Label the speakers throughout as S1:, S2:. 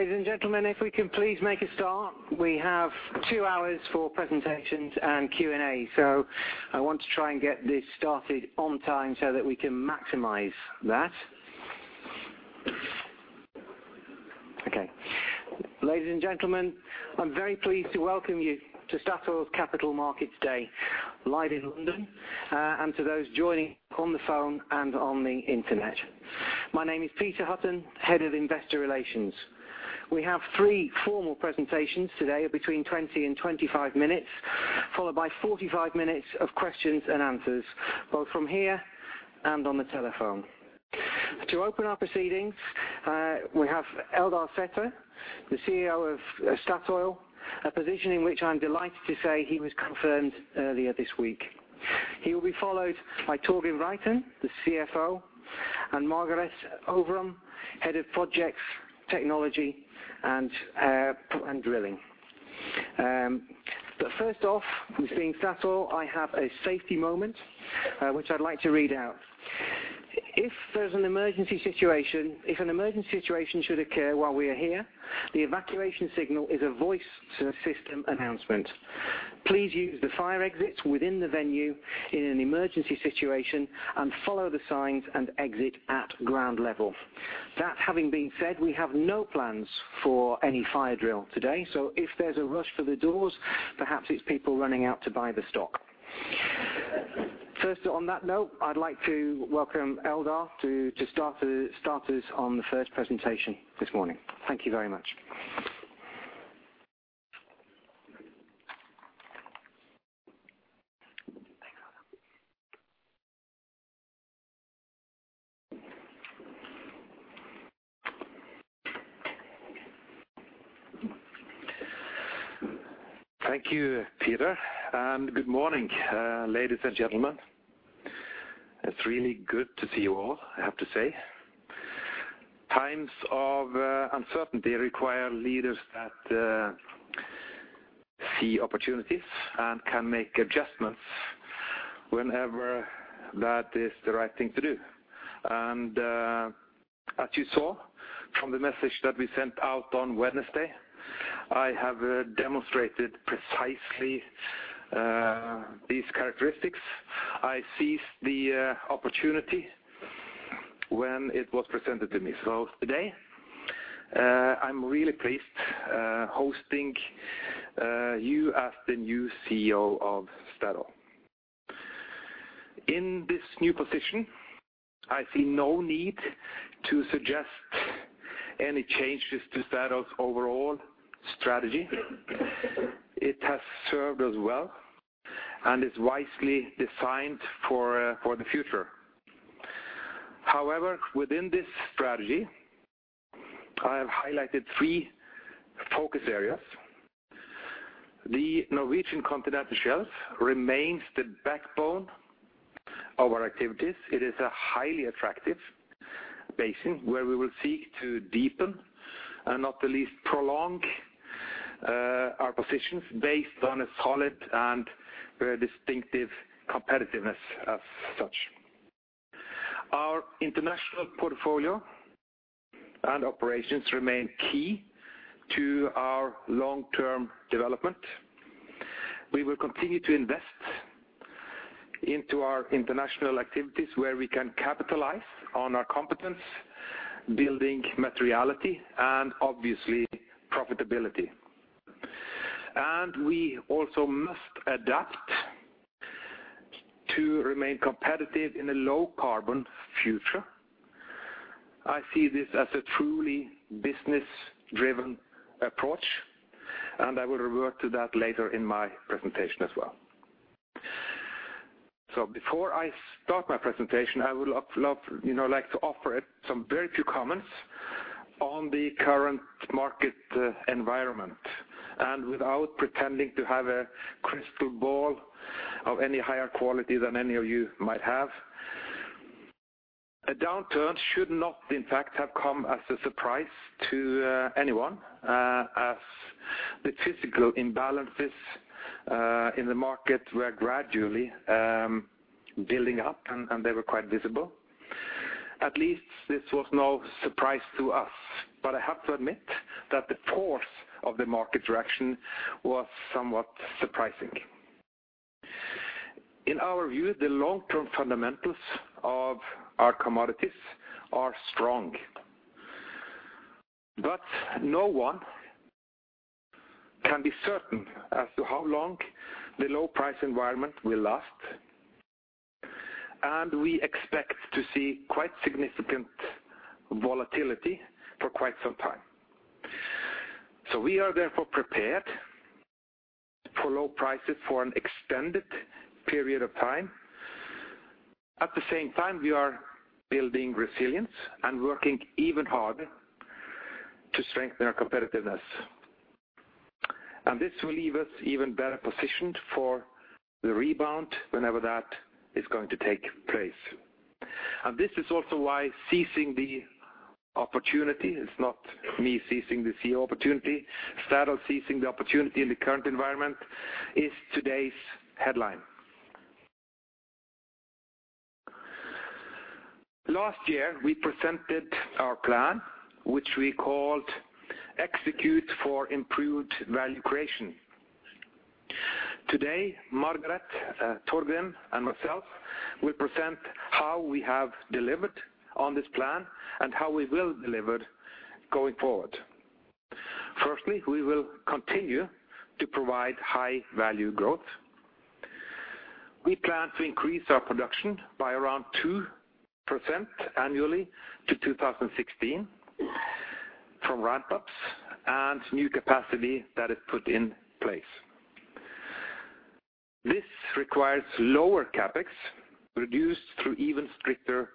S1: Ladies and gentlemen, I'm very pleased to welcome you to Statoil's Capital Markets Day live in London, and to those joining on the phone and on the internet. My name is Peter Hutton, Head of Investor Relations. We have three formal presentations today of between 20 and 25 minutes, followed by 45 minutes of questions and answers, both from here and on the telephone. To open our proceedings, we have Eldar Sætre, the CEO of Statoil, a position in which I'm delighted to say he was confirmed earlier this week. He will be followed by Torgrim Reitan, the CFO, and Margareth Øvrum, Head of Projects, Technology, and Drilling. First off, with being Statoil, I have a safety moment, which I'd like to read out. If an emergency situation should occur while we are here, the evacuation signal is a voice system announcement. Please use the fire exits within the venue in an emergency situation and follow the signs and exit at ground level. That having been said, we have no plans for any fire drill today. If there's a rush for the doors, perhaps it's people running out to buy the stock. First, on that note, I'd like to welcome Eldar to start us on the first presentation this morning. Thank you very much.
S2: Thank you, Peter. Good morning, ladies and gentlemen. It's really good to see you all, I have to say. Times of uncertainty require leaders that see opportunities and can make adjustments whenever that is the right thing to do. As you saw from the message that we sent out on Wednesday, I have demonstrated precisely these characteristics. I seized the opportunity when it was presented to me. Today, I'm really pleased hosting you as the new CEO of Statoil. In this new position, I see no need to suggest any changes to Statoil's overall strategy. It has served us well and is wisely designed for the future. However, within this strategy, I have highlighted three focus areas. The Norwegian Continental Shelf remains the backbone of our activities. It is a highly attractive basin where we will seek to deepen, and not the least prolong, our positions based on a solid and very distinctive competitiveness as such. Our international portfolio and operations remain key to our long-term development. We will continue to invest into our international activities where we can capitalize on our competence, building materiality, and obviously profitability. We also must adapt to remain competitive in a low carbon future. I see this as a truly business-driven approach, and I will revert to that later in my presentation as well. Before I start my presentation, I would, you know, like to offer some very few comments on the current market environment. Without pretending to have a crystal ball of any higher quality than any of you might have, a downturn should not in fact have come as a surprise to anyone, as the physical imbalances in the market were gradually building up, and they were quite visible. At least this was no surprise to us. I have to admit that the force of the market direction was somewhat surprising. In our view, the long-term fundamentals of our commodities are strong. No one can be certain as to how long the low price environment will last, and we expect to see quite significant volatility for quite some time. We are therefore prepared for low prices for an extended period of time. At the same time, we are building resilience and working even harder to strengthen our competitiveness. This will leave us even better positioned for the rebound whenever that is going to take place. This is also why seizing the opportunity, it's not me seizing the CEO opportunity, Statoil seizing the opportunity in the current environment is today's headline. Last year, we presented our plan, which we called Execute for Improved Value Creation. Today, Margareth, Torgrim, and myself will present how we have delivered on this plan and how we will deliver going forward. Firstly, we will continue to provide high value growth. We plan to increase our production by around 2% annually to 2016 from ramp-ups and new capacity that is put in place. This requires lower CapEx, reduced through even stricter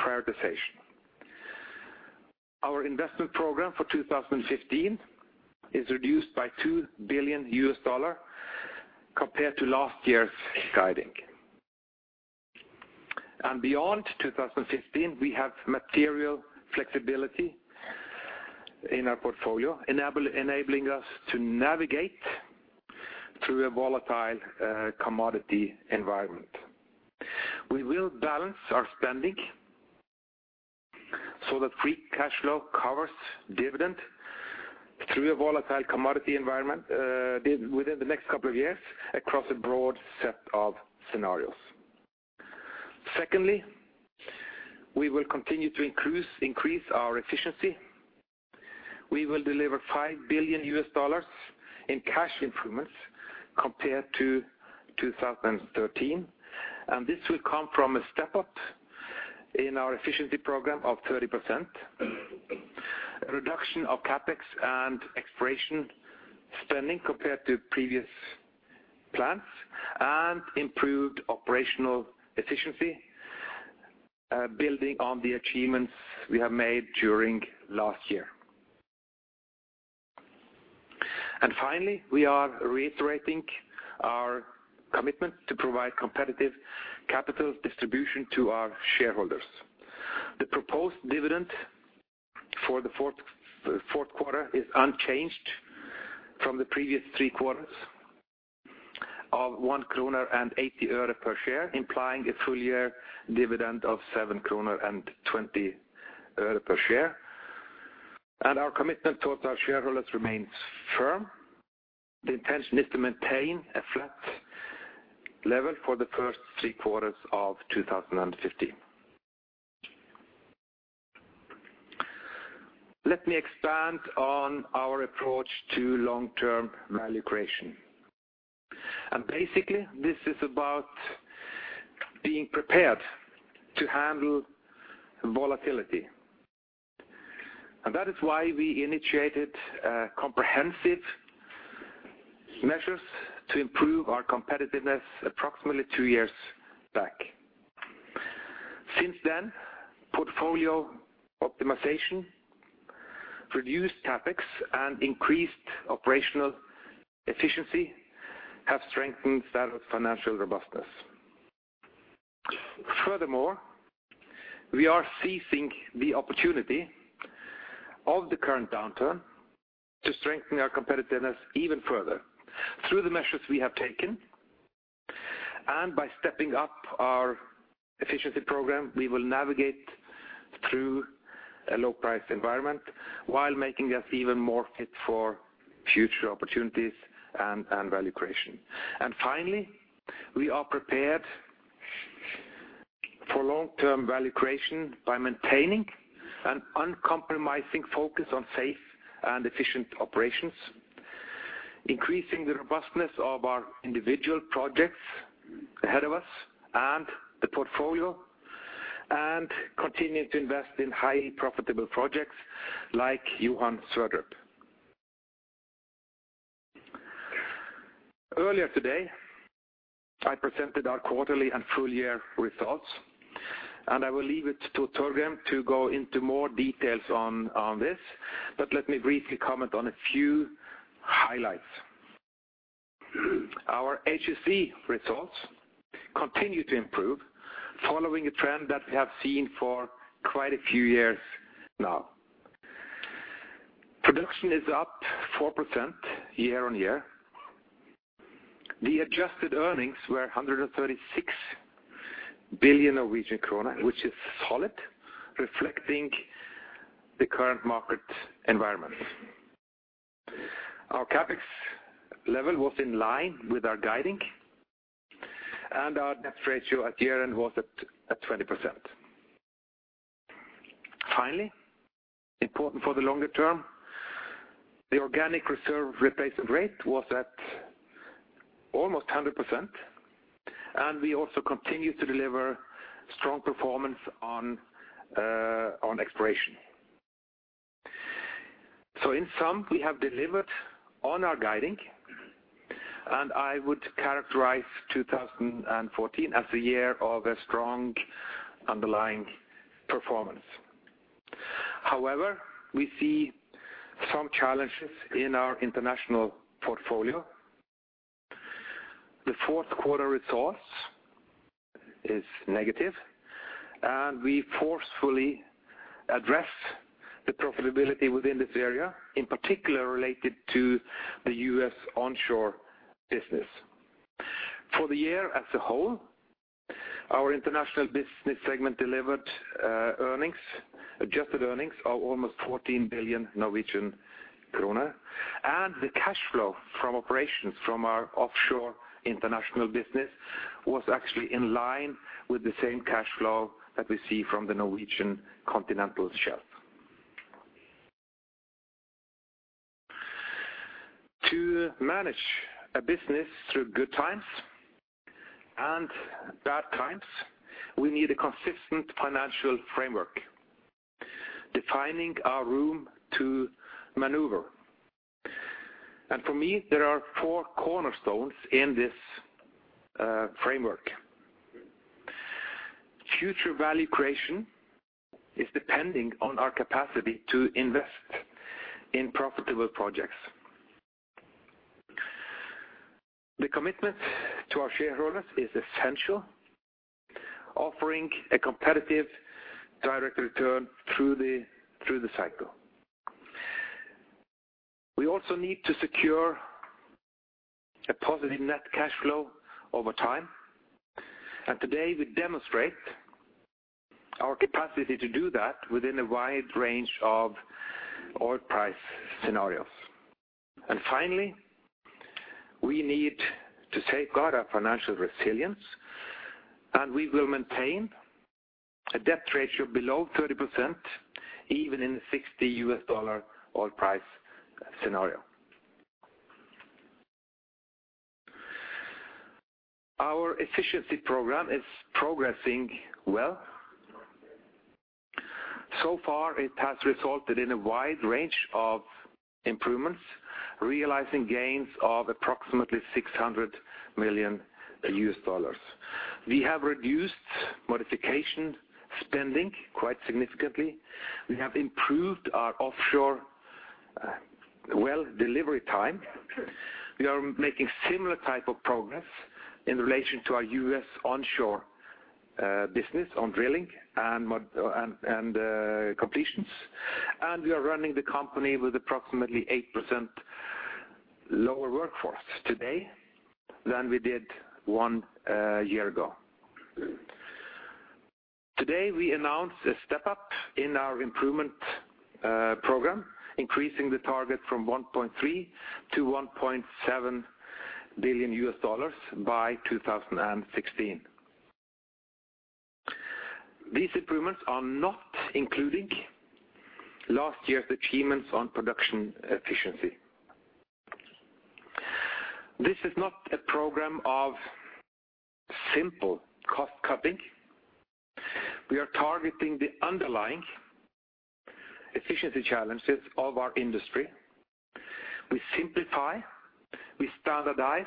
S2: prioritization. Our investment program for 2015 is reduced by $2 billion compared to last year's guiding. Beyond 2015, we have material flexibility in our portfolio enabling us to navigate through a volatile commodity environment. We will balance our spending so that free cash flow covers dividend through a volatile commodity environment within the next couple of years across a broad set of scenarios. Secondly, we will continue to increase our efficiency. We will deliver $5 billion in cash improvements compared to 2013, and this will come from a step up in our efficiency program of 30%, reduction of CapEx and exploration spending compared to previous plans, and improved operational efficiency building on the achievements we have made during last year. Finally, we are reiterating our commitment to provide competitive capital distribution to our shareholders. The proposed dividend for the fourth quarter is unchanged from the previous three quarters of NOK 1.80 per share, implying a full year dividend of NOK 7.20 per share. Our commitment towards our shareholders remains firm. The intention is to maintain a flat level for the first three quarters of 2015. Let me expand on our approach to long-term value creation. Basically, this is about being prepared to handle volatility. That is why we initiated comprehensive measures to improve our competitiveness approximately two years back. Since then, portfolio optimization, reduced CapEx, and increased operational efficiency have strengthened our financial robustness. Furthermore, we are seizing the opportunity of the current downturn to strengthen our competitiveness even further. Through the measures we have taken and by stepping up our efficiency program, we will navigate through a low price environment while making us even more fit for future opportunities and value creation. Finally, we are prepared for long-term value creation by maintaining an uncompromising focus on safe and efficient operations, increasing the robustness of our individual projects ahead of us and the portfolio, and continuing to invest in highly profitable projects like Johan Sverdrup. Earlier today, I presented our quarterly and full year results, and I will leave it to Torgrim to go into more details on this. Let me briefly comment on a few highlights. Our HSE results continue to improve following a trend that we have seen for quite a few years now. Production is up 4% year-on-year. The adjusted earnings were 136 billion Norwegian krone, which is solid, reflecting the current market environment. Our CapEx level was in line with our guiding, and our net ratio at year-end was at 20%. Finally, important for the longer term, the organic reserve replacement rate was at almost 100%, and we also continue to deliver strong performance on exploration. In sum, we have delivered on our guiding, and I would characterize 2014 as a year of a strong underlying performance. However, we see some challenges in our international portfolio. The fourth quarter results is negative, and we forcefully address the profitability within this area, in particular related to the US onshore business. For the year as a whole, our international business segment delivered earnings. Adjusted earnings are almost 14 billion Norwegian krone. The cash flow from operations from our offshore international business was actually in line with the same cash flow that we see from the Norwegian Continental Shelf. To manage a business through good times and bad times, we need a consistent financial framework defining our room to maneuver. For me, there are four cornerstones in this framework. Future value creation is depending on our capacity to invest in profitable projects. The commitment to our shareholders is essential, offering a competitive direct return through the cycle. We also need to secure a positive net cash flow over time. Today, we demonstrate our capacity to do that within a wide range of oil price scenarios. Finally, we need to safeguard our financial resilience, and we will maintain a debt ratio below 30% even in the $60 oil price scenario. Our efficiency program is progressing well. So far it has resulted in a wide range of improvements, realizing gains of approximately $600 million. We have reduced modification spending quite significantly. We have improved our offshore well delivery time. We are making similar type of progress in relation to our US onshore business on drilling and completions. We are running the company with approximately 8% lower workforce today than we did one year ago. Today, we announced a step-up in our improvement program, increasing the target from $1.3 billion to $1.7 billion by 2016. These improvements are not including last year's achievements on production efficiency. This is not a program of simple cost-cutting. We are targeting the underlying efficiency challenges of our industry. We simplify, we standardize,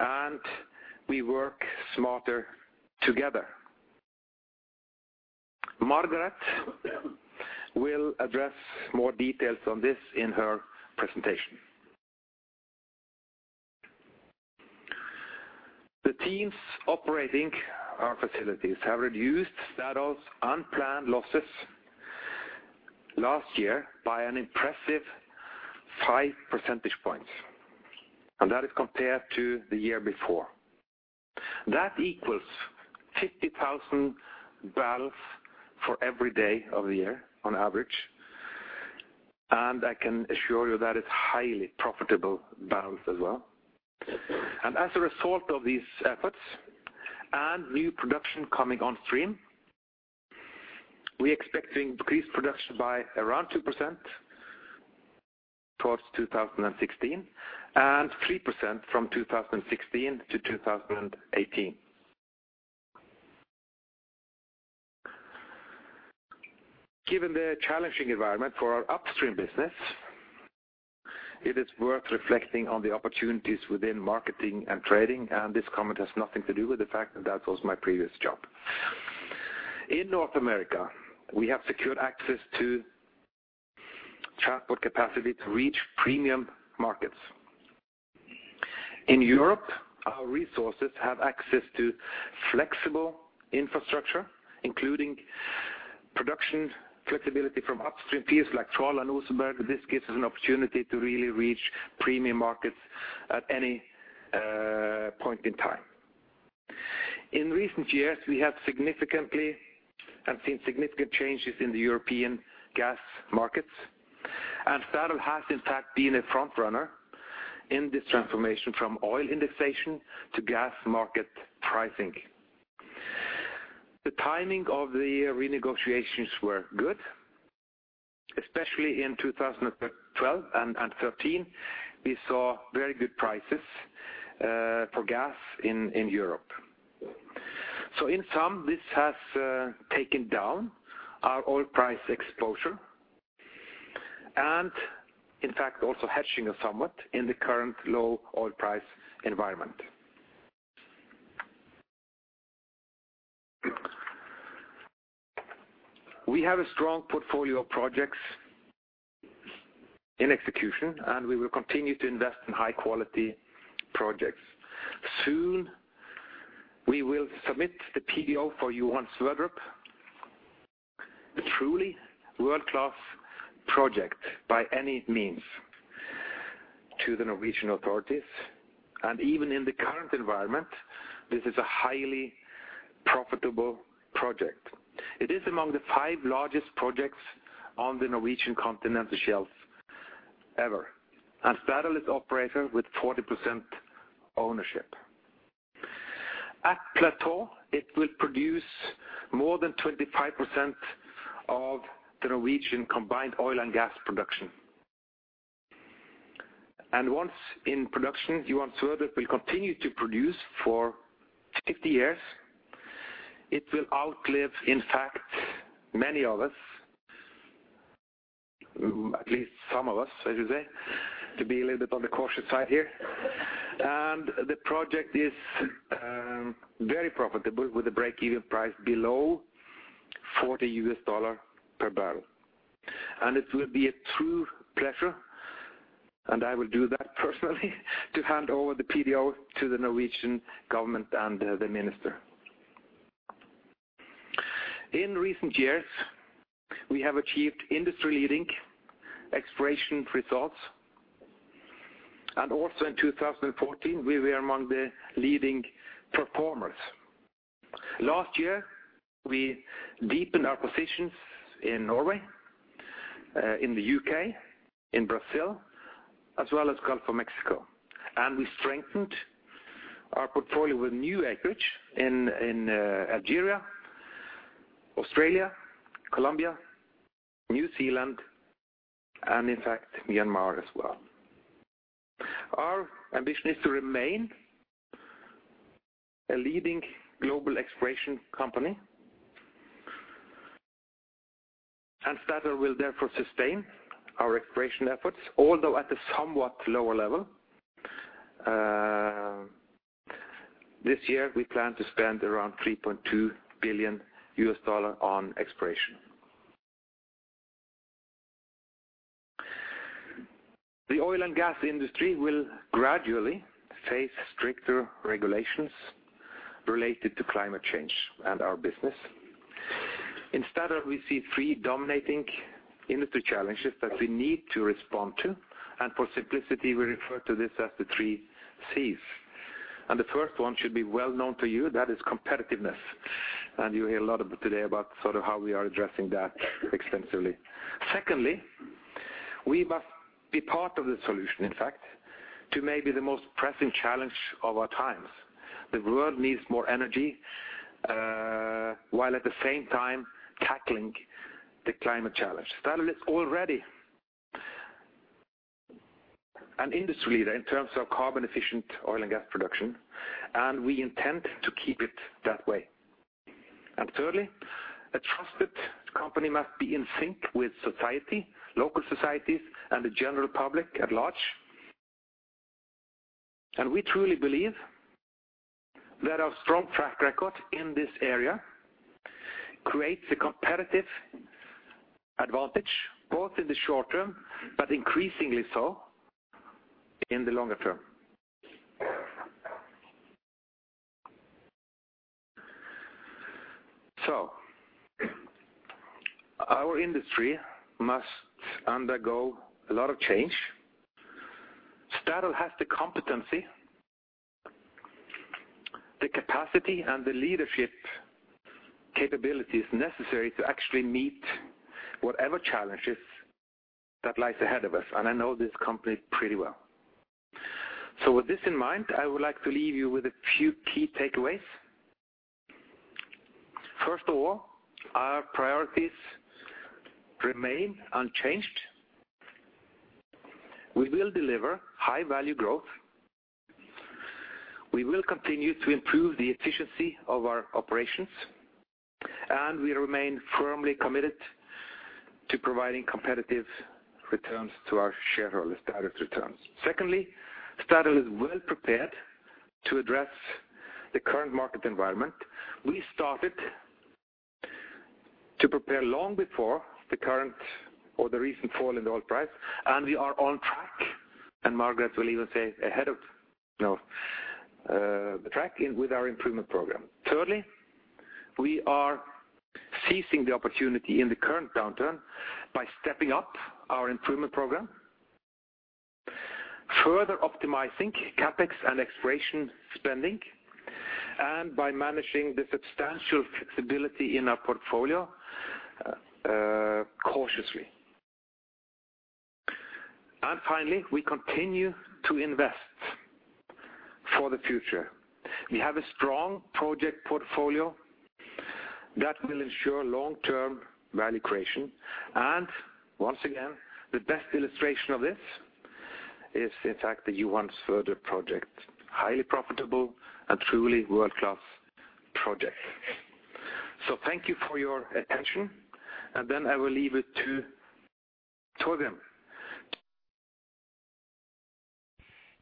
S2: and we work smarter together. Margareth will address more details on this in her presentation. The teams operating our facilities have reduced Statoil's unplanned losses last year by an impressive 5 percentage points. That is compared to the year before. That equals 50,000 barrels for every day of the year on average. I can assure you that it's highly profitable barrels as well. As a result of these efforts and new production coming on stream, we're expecting increased production by around 2% towards 2016 and 3% from 2016 to 2018. Given the challenging environment for our upstream business, it is worth reflecting on the opportunities within marketing and trading, and this comment has nothing to do with the fact that that was my previous job. In North America, we have secured access to transport capacity to reach premium markets. In Europe, our resources have access to flexible infrastructure, including production flexibility from upstream peers like Troll and Oseberg. This gives us an opportunity to really reach premium markets at any point in time. In recent years, we have seen significant changes in the European gas markets, and Statoil has in fact been a frontrunner in this transformation from oil indexation to gas market pricing. The timing of the renegotiations were good, especially in 2012 and 2013. We saw very good prices for gas in Europe. In sum, this has taken down our oil price exposure and in fact also hedging us somewhat in the current low oil price environment. We have a strong portfolio of projects in execution, and we will continue to invest in high-quality projects. Soon, we will submit the PDO for Johan Sverdrup. Truly world-class project by any means to the Norwegian authorities. Even in the current environment, this is a highly profitable project. It is among the five largest projects on the Norwegian continental shelf ever. Statoil is operator with 40% ownership. At plateau, it will produce more than 25% of the Norwegian combined oil and gas production. Once in production, Johan Sverdrup will continue to produce for 60 years. It will outlive, in fact, many of us. At least some of us, I should say, to be a little bit on the cautious side here. The project is very profitable with a break-even price below $40 per barrel. It will be a true pleasure, and I will do that personally, to hand over the PDO to the Norwegian government and the minister. In recent years, we have achieved industry-leading exploration results. Also in 2014, we were among the leading performers. Last year, we deepened our positions in Norway, in the U.K., in Brazil, as well as Gulf of Mexico. We strengthened our portfolio with new acreage in Algeria, Australia, Colombia, New Zealand, and in fact, Myanmar as well. Our ambition is to remain a leading global exploration company. Statoil will therefore sustain our exploration efforts, although at a somewhat lower level. This year, we plan to spend around $3.2 billion on exploration. The oil and gas industry will gradually face stricter regulations related to climate change and our business. In Statoil, we see three dominating industry challenges that we need to respond to, and for simplicity, we refer to this as the three Cs. The first one should be well known to you, that is competitiveness. You hear a lot about today about sort of how we are addressing that extensively. Secondly, we must be part of the solution, in fact, to maybe the most pressing challenge of our times. The world needs more energy, while at the same time tackling the climate challenge. Statoil is already an industry leader in terms of carbon efficient oil and gas production, and we intend to keep it that way. Thirdly, a trusted company must be in sync with society, local societies, and the general public at large. We truly believe that our strong track record in this area creates a competitive advantage, both in the short term, but increasingly so in the longer term. Our industry must undergo a lot of change. Statoil has the competency, the capacity, and the leadership capabilities necessary to actually meet whatever challenges that lies ahead of us. I know this company pretty well. With this in mind, I would like to leave you with a few key takeaways. First of all, our priorities remain unchanged. We will deliver high-value growth. We will continue to improve the efficiency of our operations, and we remain firmly committed to providing competitive returns to our shareholders, direct returns. Secondly, Statoil is well prepared to address the current market environment. We started to prepare long before the current or the recent fall in the oil price, and we are on track, and Margareth will even say ahead of, you know, the track we're in with our improvement program. Thirdly, we are seizing the opportunity in the current downturn by stepping up our improvement program, further optimizing CapEx and exploration spending, and by managing the substantial flexibility in our portfolio, cautiously. Finally, we continue to invest for the future. We have a strong project portfolio that will ensure long-term value creation. Once again, the best illustration of this is in fact the Johan Sverdrup project, highly profitable and truly world-class project. Thank you for your attention. Then I will leave it to Torgrim.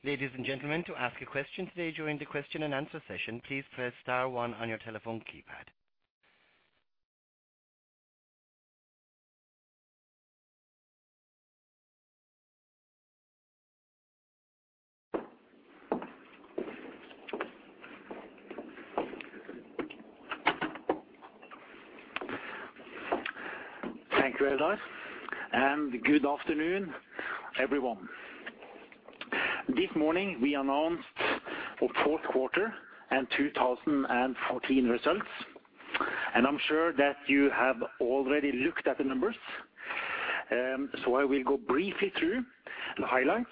S3: Ladies and gentlemen, to ask a question today during the question and answer session, please press star one on your telephone keypad.
S4: Thank you, Eldar, and good afternoon, everyone. This morning, we announced our fourth quarter and 2014 results, and I'm sure that you have already looked at the numbers. So I will go briefly through the highlights,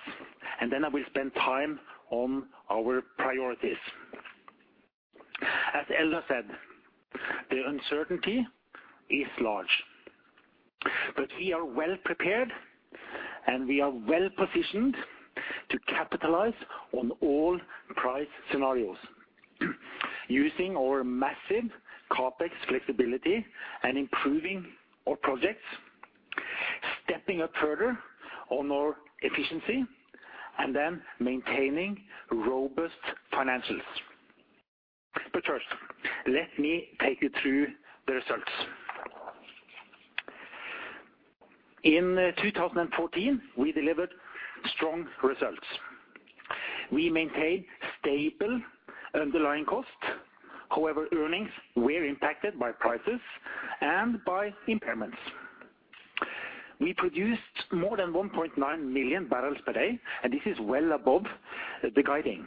S4: and then I will spend time on our priorities. As Eldar said, the uncertainty is large. We are well-prepared, and we are well-positioned to capitalize on all price scenarios. Using our massive CapEx flexibility and improving our projects, stepping up further on our efficiency, and then maintaining robust financials. First, let me take you through the results. In 2014, we delivered strong results. We maintained stable underlying costs. However, earnings were impacted by prices and by impairments. We produced more than 1.9 million barrels per day, and this is well above the guiding.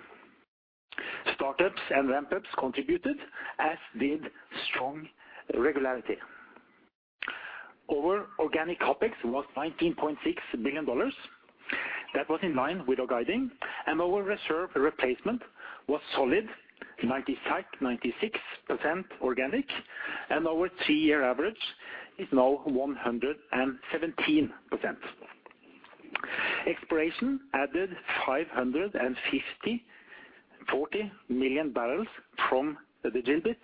S4: Startups and ramp-ups contributed, as did strong regularity. Our organic CapEx was $19.6 billion. That was in line with our guidance. Our reserve replacement was solid, 96% organic, and our three-year average is now 117%. Exploration added 540 million barrels from the drill bit,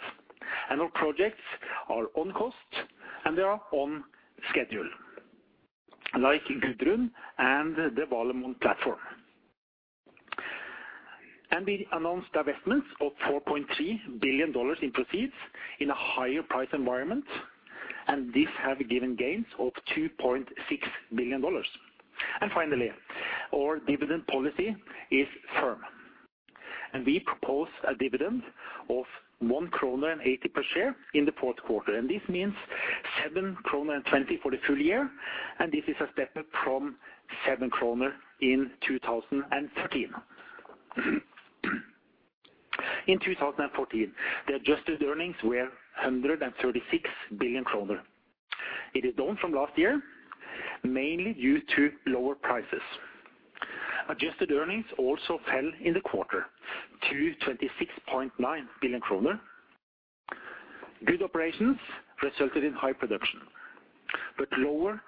S4: and our projects are on cost, and they are on schedule, like Gudrun and the Valemon platform. We announced divestments of $4.3 billion in proceeds in a higher price environment, and these have given gains of $2.6 billion. Our dividend policy is firm. We propose a dividend of 1.80 kroner per share in the fourth quarter. This means 7.20 kroner for the full year, and this is a step up from 7 kroner in 2013. In 2014, the adjusted earnings were 136 billion kroner. It is down from last year, mainly due to lower prices. Adjusted earnings also fell in the quarter to 26.9 billion kroner. Good operations resulted in high production. Lower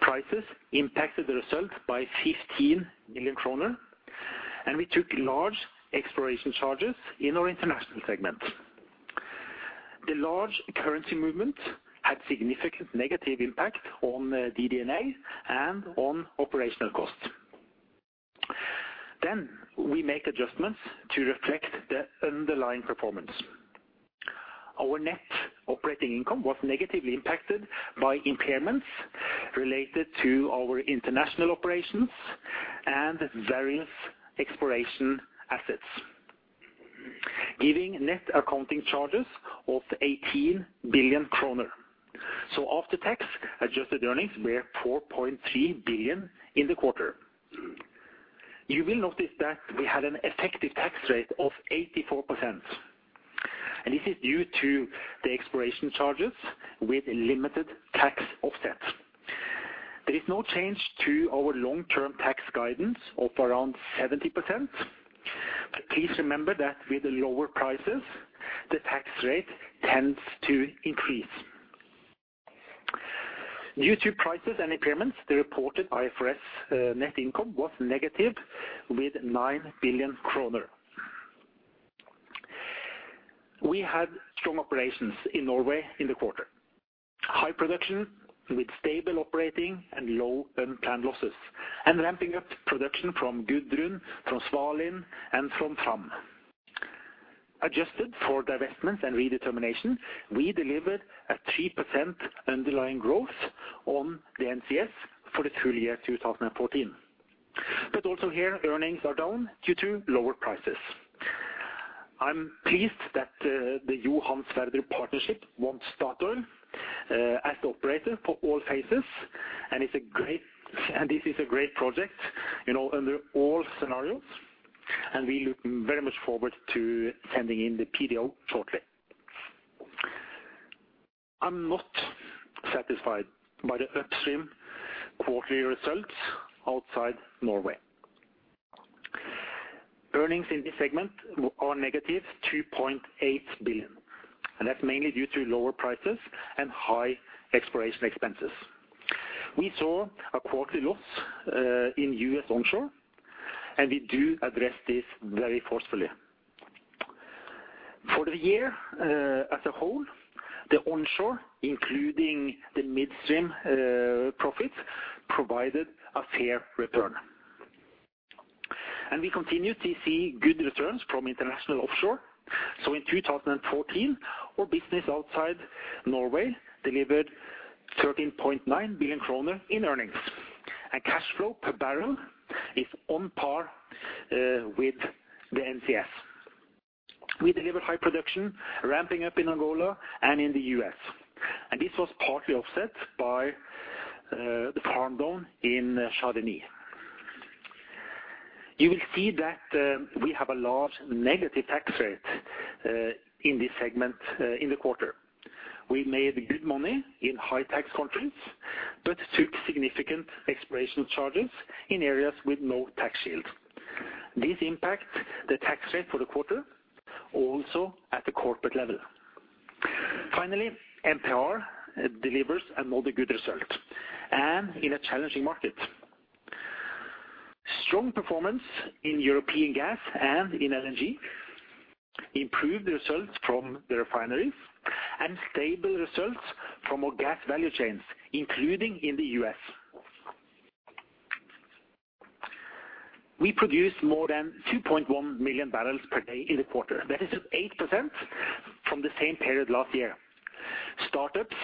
S4: prices impacted the results by 15 billion kroner, and we took large exploration charges in our international segment. The large currency movement had significant negative impact on DD&A and on operational costs. We make adjustments to reflect the underlying performance. Our net operating income was negatively impacted by impairments related to our international operations and various exploration assets, giving net accounting charges of 18 billion kroner. After tax, adjusted earnings were 4.3 billion in the quarter. You will notice that we had an effective tax rate of 84%, and this is due to the exploration charges with limited tax offsets. There is no change to our long-term tax guidance of around 70%. Please remember that with the lower prices, the tax rate tends to increase. Due to prices and impairments, the reported IFRS net income was negative 9 billion kroner. We had strong operations in Norway in the quarter. High production with stable operating and low unplanned losses, and ramping up production from Gudrun, from Svalin, and from Fram. Adjusted for divestments and redetermination, we delivered a 3% underlying growth on the NCS for the full year 2014. Also here, earnings are down due to lower prices. I'm pleased that the Johan Sverdrup partnership wants Statoil as the operator for all phases. This is a great project, you know, under all scenarios, and we look very much forward to sending in the PDO shortly. I'm not satisfied by the upstream quarterly results outside Norway. Earnings in this segment are negative 2.8 billion, and that's mainly due to lower prices and high exploration expenses. We saw a quarterly loss in US onshore, and we do address this very forcefully. For the year, as a whole, the onshore, including the midstream, profits, provided a fair return. We continue to see good returns from international offshore. In 2014, our business outside Norway delivered 13.9 billion kroner in earnings. Cash flow per barrel is on par with the NCS. We deliver high production ramping up in Angola and in the US. This was partly offset by the farm-down in Shah Deniz. You will see that we have a large negative tax rate in this segment in the quarter. We made good money in high tax countries, but took significant exploration charges in areas with no tax shield. This impacts the tax rate for the quarter, also at the corporate level. Finally, MPR delivers another good result in a challenging market. Strong performance in European gas and in LNG, improved results from the refineries, and stable results from our gas value chains, including in the US. We produced more than 2.1 million barrels per day in the quarter. That is just 8% from the same period last year. Startups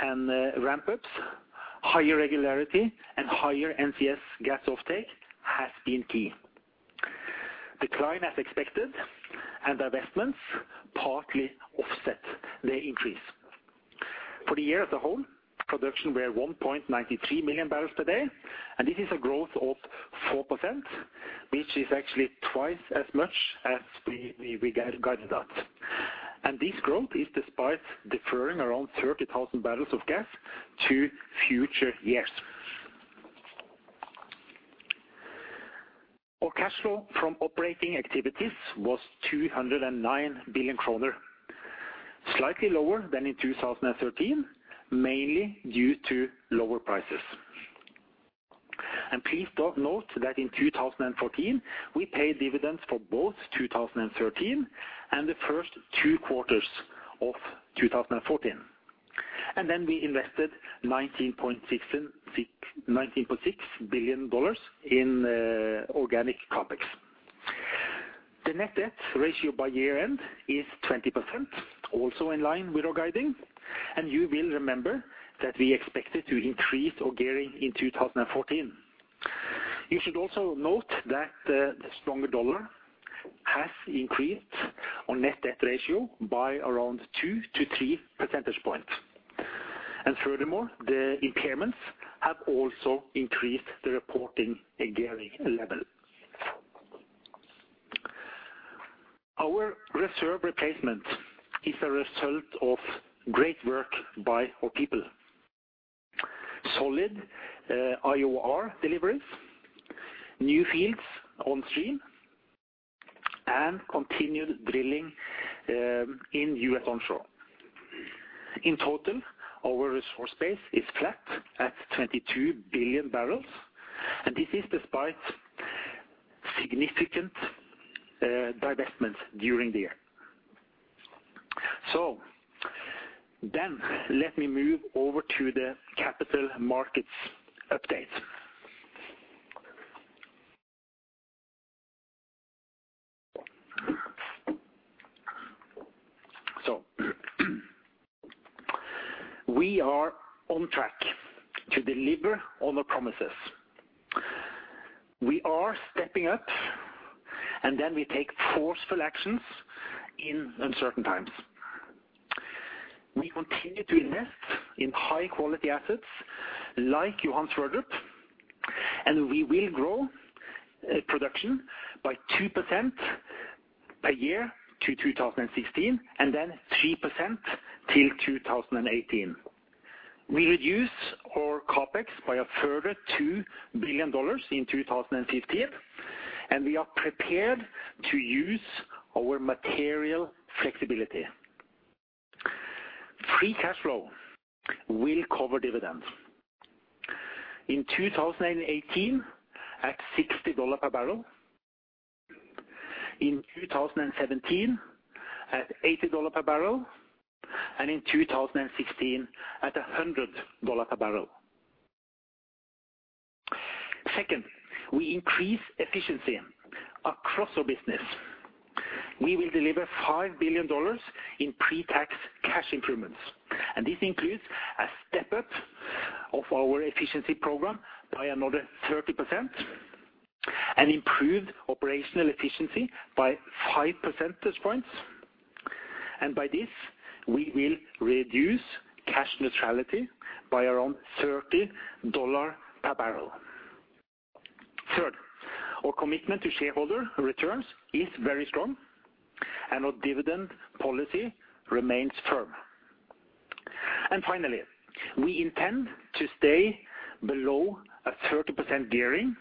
S4: and ramp-ups, higher regularity and higher NCS gas offtake has been key. Decline as expected and divestments partly offset the increase. For the year as a whole, production were 1.93 million barrels per day, and this is a growth of 4%, which is actually twice as much as we guided at. This growth is despite deferring around 30,000 barrels of gas to future years. Our cash flow from operating activities was 209 billion kroner, slightly lower than in 2013, mainly due to lower prices. Please do note that in 2014, we paid dividends for both 2013 and the first two quarters of 2014. Then we invested $19.6 billion in organic CapEx. The net debt ratio by year-end is 20%, also in line with our guiding. You will remember that we expected to increase our gearing in 2014. You should also note that the stronger dollar has increased our net debt ratio by around 2-3 percentage points. The impairments have also increased the reporting and gearing level. Our reserve replacement is a result of great work by our people. Solid IOR deliveries, new fields on stream, and continued drilling in U.S. onshore. In total, our resource base is flat at 22 billion barrels, and this is despite significant divestments during the year. Let me move over to the capital markets update. We are on track to deliver on our promises. We are stepping up, and then we take forceful actions in uncertain times. We continue to invest in high quality assets like Johan Sverdrup, and we will grow production by 2% per year to 2016, and then 3% till 2018. We reduce our CapEx by a further $2 billion in 2015, and we are prepared to use our material flexibility. Free cash flow will cover dividends. In 2018 at $60 per barrel, in 2017 at $80 per barrel, and in 2016 at $100 per barrel. Second, we increase efficiency across our business. We will deliver $5 billion in pre-tax cash improvements, and this includes a step-up of our efficiency program by another 30% and improve operational efficiency by 5 percentage points. By this, we will reduce cash neutrality by around $30 per barrel. Third, our commitment to shareholder returns is very strong, and our dividend policy remains firm. Finally, we intend to stay below a 30% gearing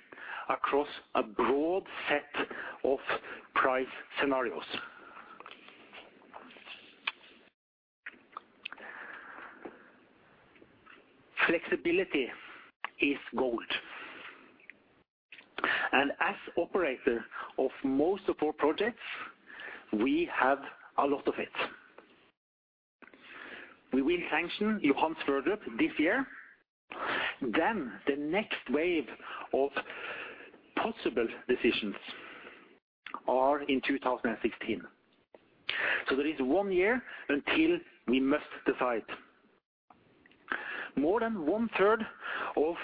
S4: across a broad set of price scenarios. Flexibility is gold. As operator of most of our projects, we have a lot of it. We will sanction Johan Sverdrup this year. The next wave of possible decisions are in 2016. There is one year until we must decide. More than one third of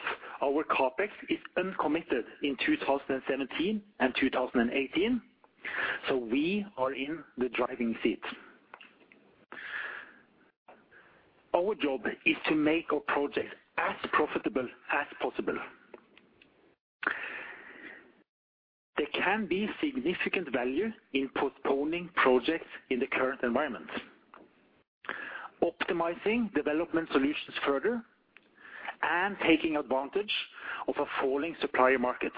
S4: our CapEx is uncommitted in 2017 and 2018. We are in the driving seat. Our job is to make our projects as profitable as possible. There can be significant value in postponing projects in the current environment, optimizing development solutions further, and taking advantage of a falling supplier market.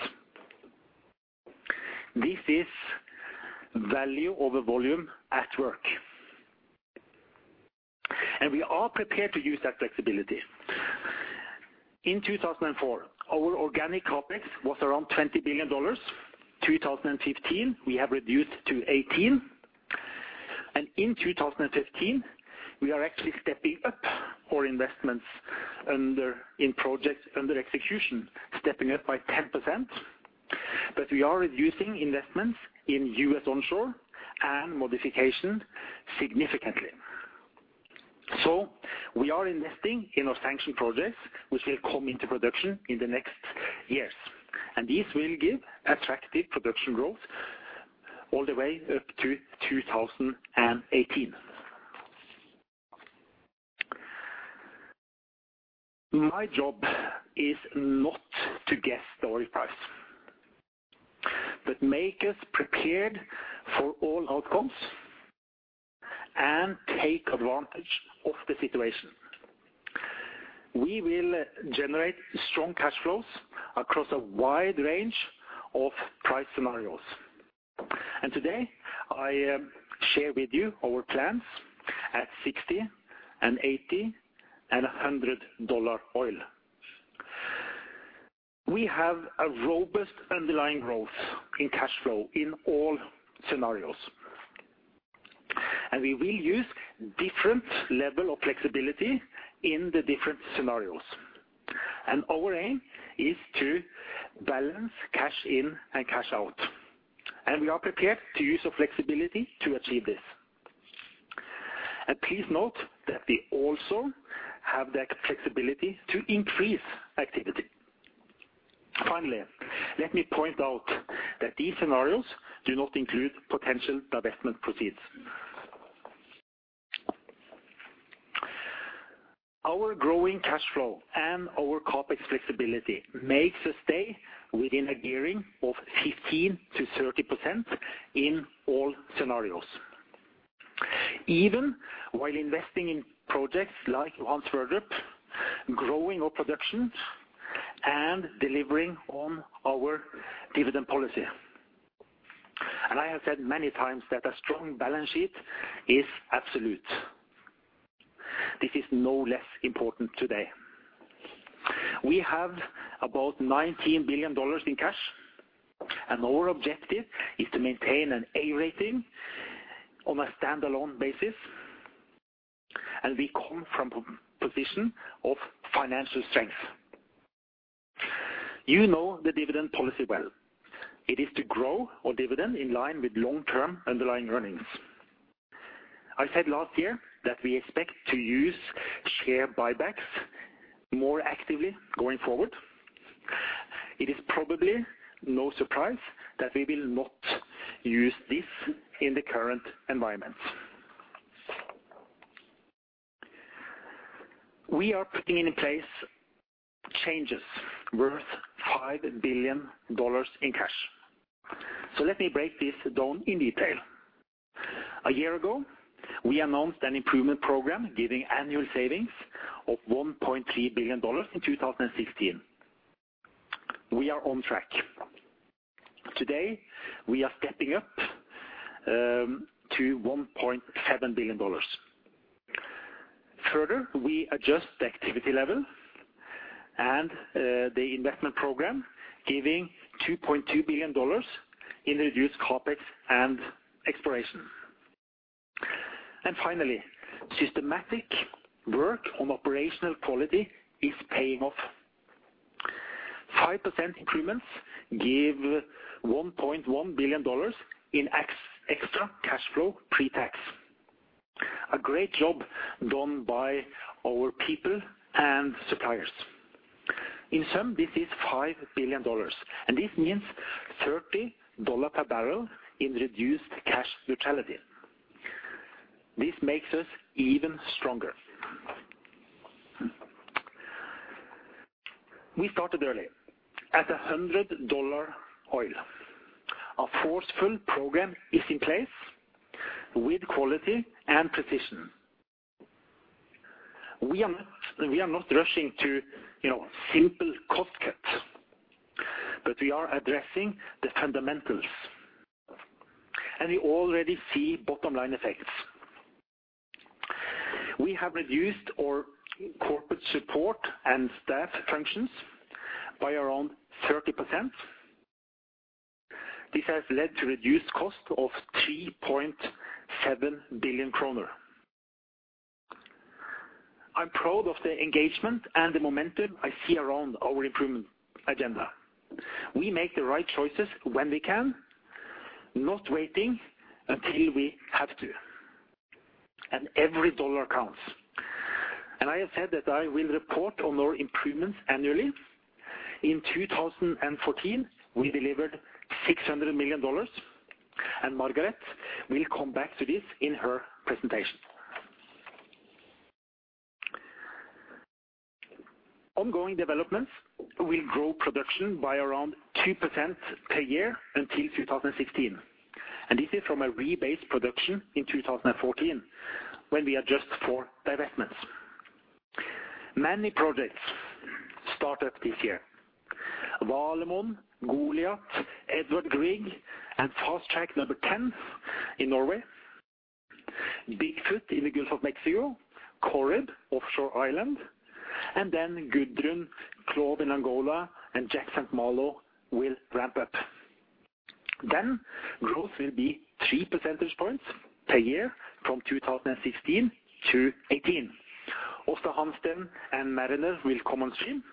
S4: This is value over volume at work. We are prepared to use that flexibility. In 2004, our organic CapEx was around $20 billion. 2015, we have reduced to $18 billion. In 2015, we are actually stepping up our investments under, in projects under execution, stepping up by 10%. We are reducing investments in US onshore and modification significantly. We are investing in our sanction projects, which will come into production in the next years, and this will give attractive production growth all the way up to 2018. My job is not to guess the oil price, but make us prepared for all outcomes and take advantage of the situation. We will generate strong cash flows across a wide range of price scenarios. Today, I share with you our plans at $60 per barrel, $80 per barrel, and $100 per barrel of oil. We have a robust underlying growth in cash flow in all scenarios. We will use different level of flexibility in the different scenarios. Our aim is to balance cash in and cash out. We are prepared to use our flexibility to achieve this. Please note that we also have the flexibility to increase activity. Finally, let me point out that these scenarios do not include potential divestment proceeds. Our growing cash flow and our CapEx flexibility makes us stay within a gearing of 15%-30% in all scenarios. Even while investing in projects like Johan Sverdrup, growing our productions, and delivering on our dividend policy. I have said many times that a strong balance sheet is absolute. This is no less important today. We have about $19 billion in cash, and our objective is to maintain an A rating on a standalone basis. We come from position of financial strength. You know the dividend policy well. It is to grow our dividend in line with long-term underlying earnings. I said last year that we expect to use share buybacks more actively going forward. It is probably no surprise that we will not use this in the current environment. We are putting in place changes worth $5 billion in cash. Let me break this down in detail. A year ago, we announced an improvement program giving annual savings of $1.3 billion in 2016. We are on track. Today, we are stepping up to $1.7 billion. Further, we adjust the activity level and the investment program, giving $2.2 billion in reduced CapEx and exploration. Finally, systematic work on operational quality is paying off. 5% improvements give $1.1 billion in extra cash flow pre-tax. A great job done by our people and suppliers. In sum, this is $5 billion, and this means $30 per barrel in reduced cash neutrality. This makes us even stronger. We started early at $100 per barrel of oil. A forceful program is in place with quality and precision. We are not rushing to, you know, simple cost cuts, but we are addressing the fundamentals. We already see bottom-line effects. We have reduced our corporate support and staff functions by around 30%. This has led to reduced cost of 3.7 billion kroner. I'm proud of the engagement and the momentum I see around our improvement agenda. We make the right choices when we can, not waiting until we have to. Every dollar counts. I have said that I will report on our improvements annually. In 2014, we delivered $600 million, and Margareth will come back to this in her presentation. Ongoing developments will grow production by around 2% per year until 2016. This is from a rebased production in 2014 when we adjust for divestments. Many projects started this year. Valemon, Goliat, Edvard Grieg, and Fast-Track 10 in Norway. Big Foot in the Gulf of Mexico, Corrib offshore Ireland, and then Gudrun, CLOV in Angola, and Jack/St. Malo will ramp up. Growth will be 3 percentage points per year from 2016 to 2018. Aasta Hansteen and Mariner will come on stream,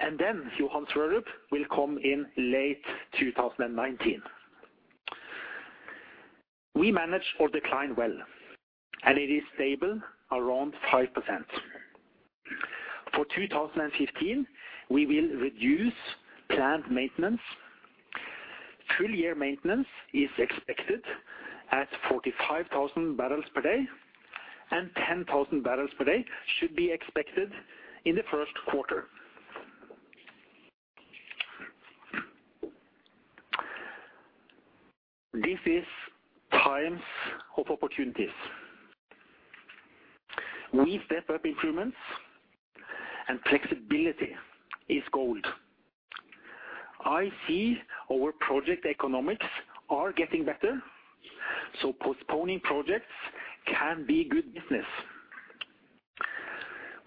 S4: and then Johan Sverdrup will come in late 2019. We manage our decline well, and it is stable, around 5%. For 2015, we will reduce plant maintenance. Full year maintenance is expected at 45,000 barrels per day, and 10,000 barrels per day should be expected in the first quarter. This is a time of opportunities. We step up improvements and flexibility is gold. I see our project economics are getting better, so postponing projects can be good business.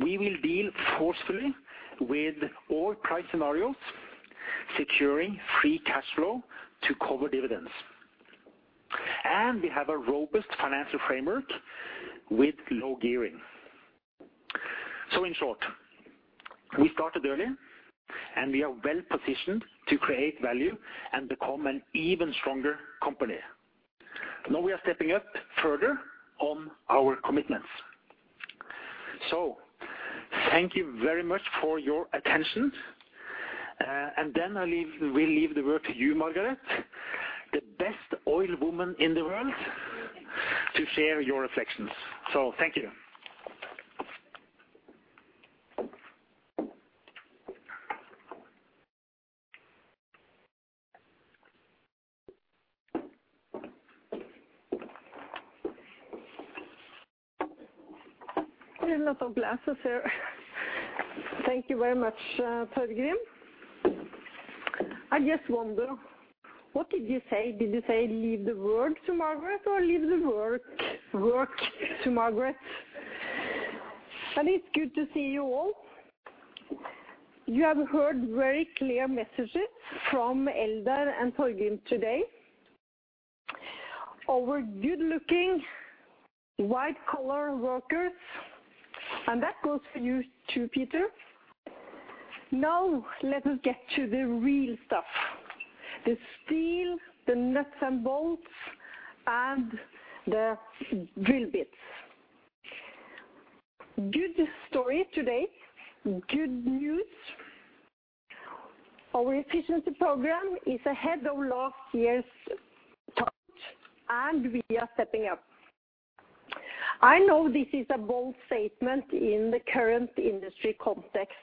S4: We will deal forcefully with oil price scenarios, securing free cash flow to cover dividends. We have a robust financial framework with low gearing. In short, we started early and we are well-positioned to create value and become an even stronger company. Now we are stepping up further on our commitments. Thank you very much for your attention. I will leave the word to you, Margareth Øvrum, the best oil woman in the world, to share your reflections. Thank you.
S5: There are lots of glasses here. Thank you very much, Torgrim. I just wonder, what did you say? Did you say leave the word to Margareth, or leave the work to Margareth? It's good to see you all. You have heard very clear messages from Eldar and Torgrim today. Our good-looking white-collar workers, and that goes for you too, Peter. Now let us get to the real stuff, the steel, the nuts and bolts, and the drill bits. Good story today. Good news. Our efficiency program is ahead of last year's target and we are stepping up. I know this is a bold statement in the current industry context.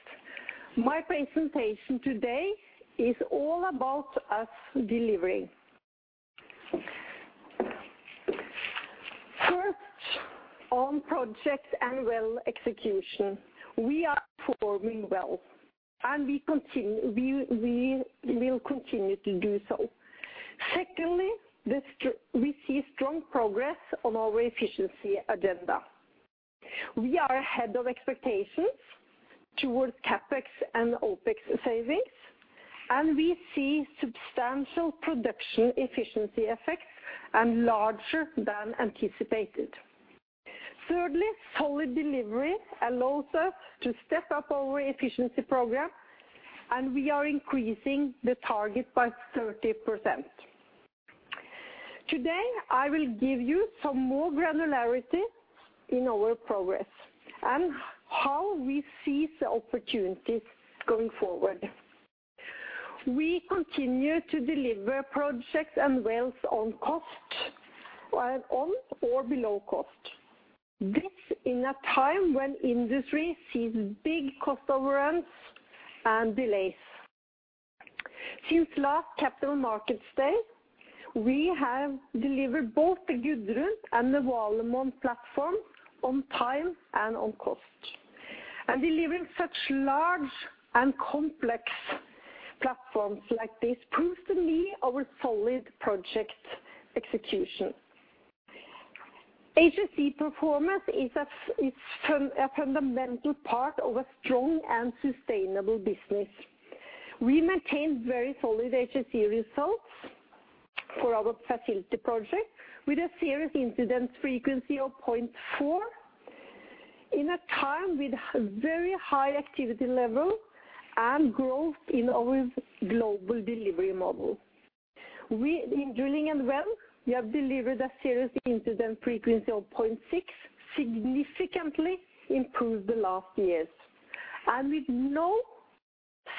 S5: My presentation today is all about us delivering. First, on projects and well execution. We are performing well, and we will continue to do so. Secondly, we see strong progress on our efficiency agenda. We are ahead of expectations towards CapEx and OpEx savings, and we see substantial production efficiency effects, and larger than anticipated. Thirdly, solid delivery allows us to step up our efficiency program, and we are increasing the target by 30%. Today, I will give you some more granularity in our progress and how we seize the opportunities going forward. We continue to deliver projects and wells on cost or below cost. This in a time when industry sees big cost overruns and delays. Since last capital market day, we have delivered both the Gudrun and the Valemon platforms on time and on cost. Delivering such large and complex platforms like this proves to me our solid project execution. HSE performance is a fundamental part of a strong and sustainable business. We maintained very solid HSE results. For our facility project with a serious incident frequency of 0.4 in a time with very high activity level and growth in our global delivery model. We, in drilling a well, have delivered a serious incident frequency of 0.6, significantly improved the last years, and with no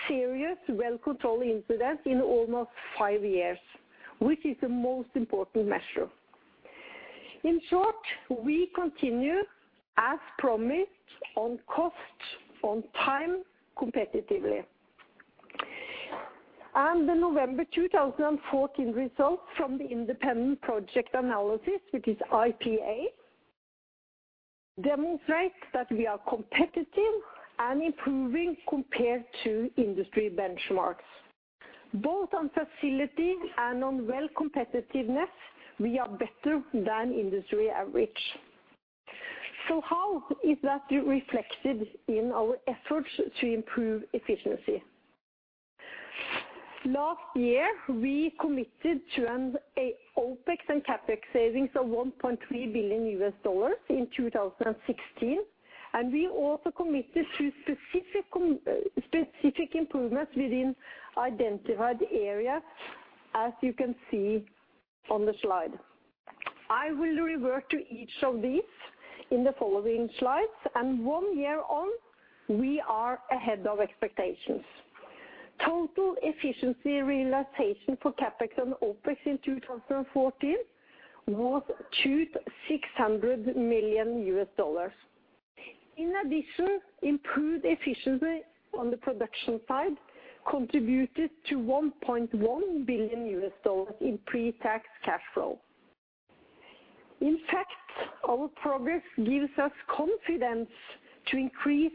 S5: serious well control incidents in almost five years, which is the most important measure. In short, we continue as promised on cost, on time, competitively. The November 2014 results from the independent project analysis, which is IPA, demonstrates that we are competitive and improving compared to industry benchmarks. Both on facility and on well competitiveness, we are better than industry average. How is that reflected in our efforts to improve efficiency? Last year, we committed to OpEx and CapEx savings of $1.3 billion in 2016, and we also committed to specific improvements within identified areas, as you can see on the slide. I will revert to each of these in the following slides, and one year on, we are ahead of expectations. Total efficiency realization for CapEx and OpEx in 2014 was $200 million, $600 million. In addition, improved efficiency on the production side contributed to $1.1 billion in pre-tax cash flow. In fact, our progress gives us confidence to increase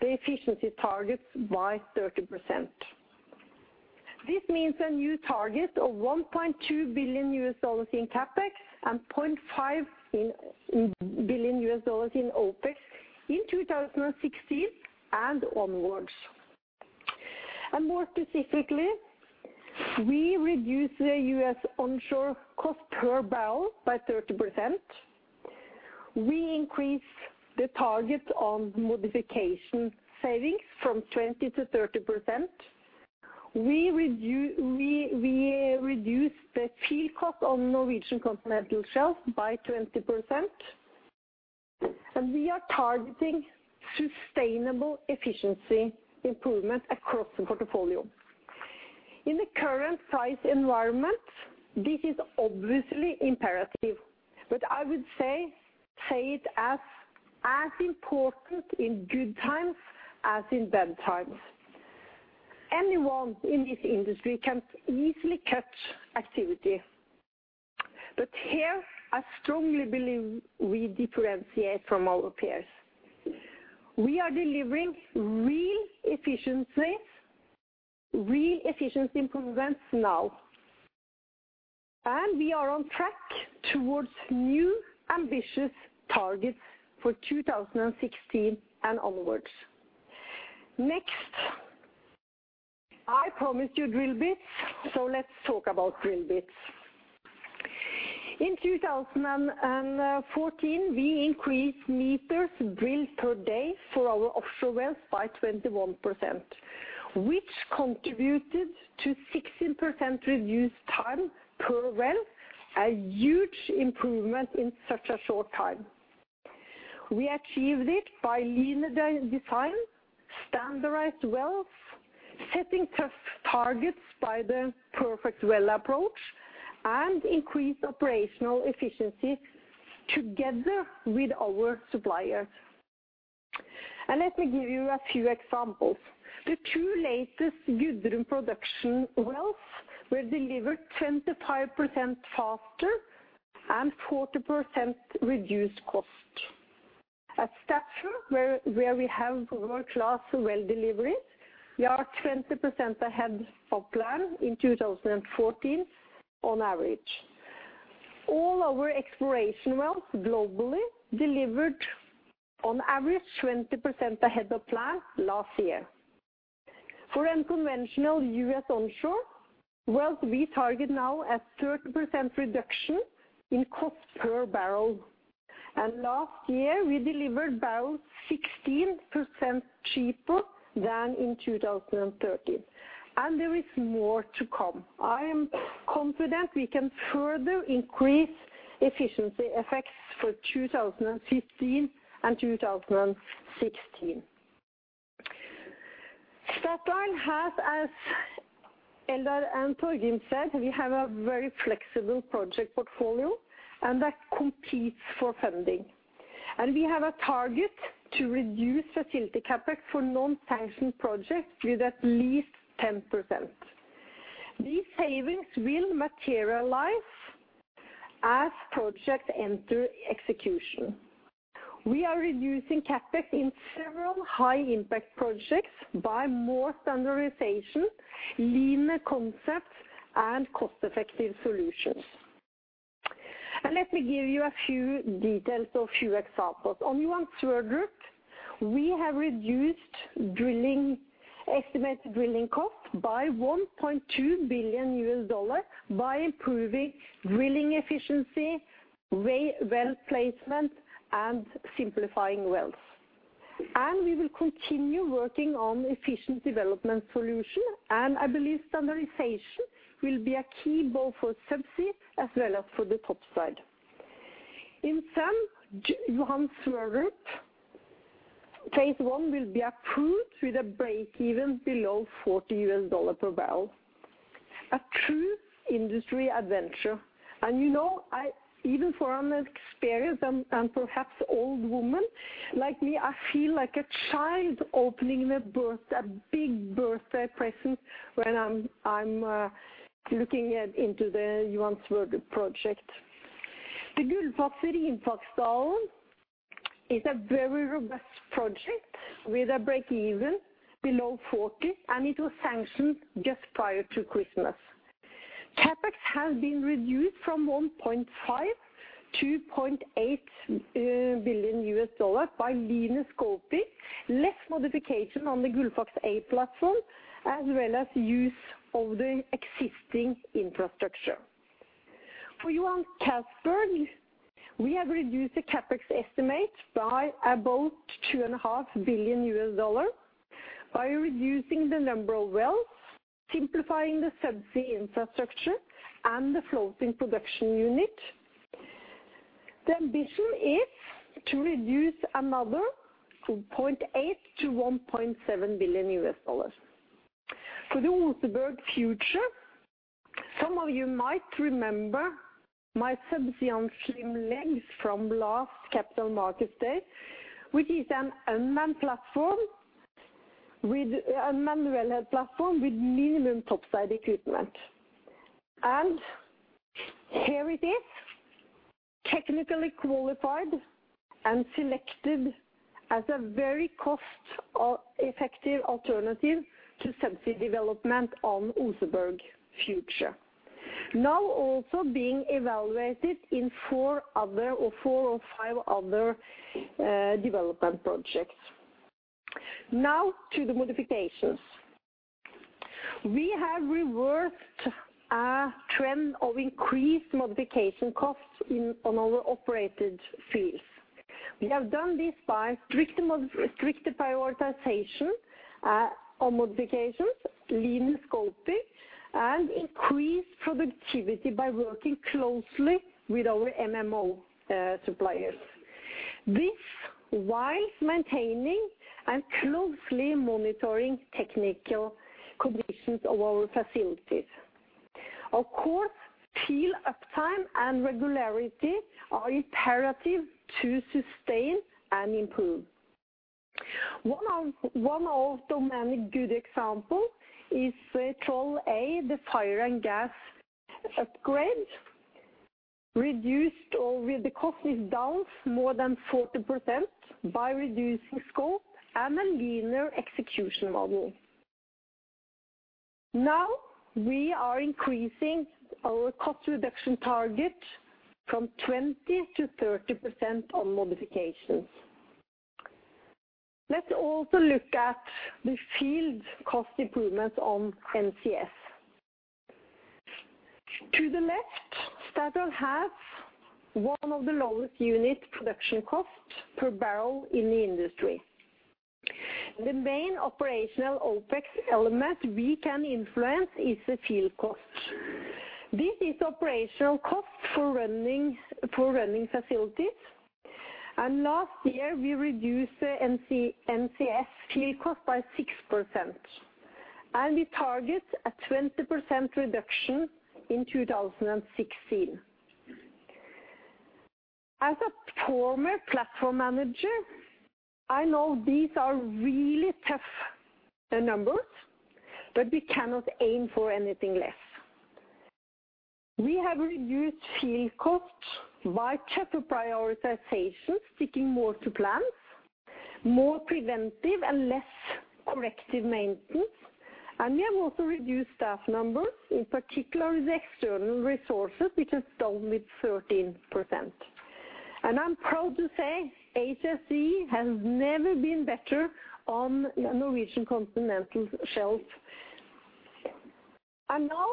S5: the efficiency targets by 30%. This means a new target of $1.2 billion in CapEx and $0.5 billion in OpEx in 2016 and onwards. More specifically, we reduce the U.S. onshore cost per barrel by 30%. We increase the target on modification savings from 20% to 30%. We reduce the field cost on Norwegian continental shelves by 20%. We are targeting sustainable efficiency improvement across the portfolio. In the current price environment, this is obviously imperative, but I would say it's as important in good times as in bad times. Anyone in this industry can easily cut activity. But here, I strongly believe we differentiate from our peers. We are delivering real efficiencies, real efficiency improvements now. We are on track towards new ambitious targets for 2016 and onwards. Next, I promised you drill bits, so let's talk about drill bits. In 2014, we increased meters drilled per day for our offshore wells by 21%, which contributed to 16% reduced time per well, a huge improvement in such a short time. We achieved it by leaner design, standardized wells, setting tough targets by the perfect well approach, and increased operational efficiency together with our suppliers. Let me give you a few examples. The two latest Gudrun production wells were delivered 25% faster and 40% reduced cost. At Statfjord, where we have world-class well deliveries, we are 20% ahead of plan in 2014 on average. All our exploration wells globally delivered on average 20% ahead of plan last year. For unconventional U.S. onshore wells, we target now a 30% reduction in cost per barrel. Last year, we delivered barrels 16% cheaper than in 2013. There is more to come. I am confident we can further increase efficiency effects for 2015 and 2016. Statoil has, as Eldar and Torgrim said, we have a very flexible project portfolio, and that competes for funding. We have a target to reduce facility CapEx for non-sanctioned projects with at least 10%. These savings will materialize as projects enter execution. We are reducing CapEx in several high-impact projects by more standardization, leaner concepts, and cost-effective solutions. Let me give you a few details or few examples. On Johan Sverdrup, we have reduced drilling, estimated drilling costs by $1.2 billion by improving drilling efficiency, well placement, and simplifying wells. We will continue working on efficient development solution, and I believe standardization will be a key both for subsea as well as for the topside. In sum, Johan Sverdrup Phase I will be approved with a break-even below $40 per barrel. A true industry adventure. You know, even for an experienced and perhaps old woman like me, I feel like a child opening a big birthday present when I'm looking into the Johan Sverdrup project. The Gullfaks Rimfaksdalen is a very robust project with a break-even below $40, and it was sanctioned just prior to Christmas. CapEx has been reduced from $2.8 billion to $1.5 billion by lean scoping, less modification on the Gullfaks A platform, as well as use of the existing infrastructure. For Johan Castberg, we have reduced the CapEx estimate by about $2.5 billion by reducing the number of wells, simplifying the subsea infrastructure, and the floating production unit. The ambition is to reduce another $0.8 billion-$1.7 billion. For the Oseberg Future, some of you might remember my subsea on slim legs from last Capital Market Day, which is an unmanned wellhead platform with minimum topside equipment. Here it is, technically qualified and selected as a very cost-effective alternative to subsea development on Oseberg Future. Now also being evaluated in four or five other development projects. Now to the modifications. We have reversed a trend of increased modification costs on our operated fields. We have done this by strict prioritization on modifications, lean scoping, and increased productivity by working closely with our MMO suppliers. This while maintaining and closely monitoring technical conditions of our facilities. Of course, field uptime and regularity are imperative to sustain and improve. One of the many good example is Troll A, the fire and gas upgrade, reduc, where the cost is down more than 40% by reducing scope and a leaner execution model. Now we are increasing our cost reduction target from 20% to 30% on modifications. Let's also look at the field cost improvements on NCS. To the left, Statoil has one of the lowest unit production costs per barrel in the industry. The main operational OpEx element we can influence is the field cost. This is operational cost for running facilities. Last year, we reduced the NCS field cost by 6%, and we target a 20% reduction in 2016. As a former platform manager, I know these are really tough numbers, but we cannot aim for anything less. We have reduced field costs by tougher prioritization, sticking more to plans, more preventive and less corrective maintenance, and we have also reduced staff numbers, in particular the external resources, which has gone down by 13%. I'm proud to say HSE has never been better on the Norwegian Continental Shelf. Now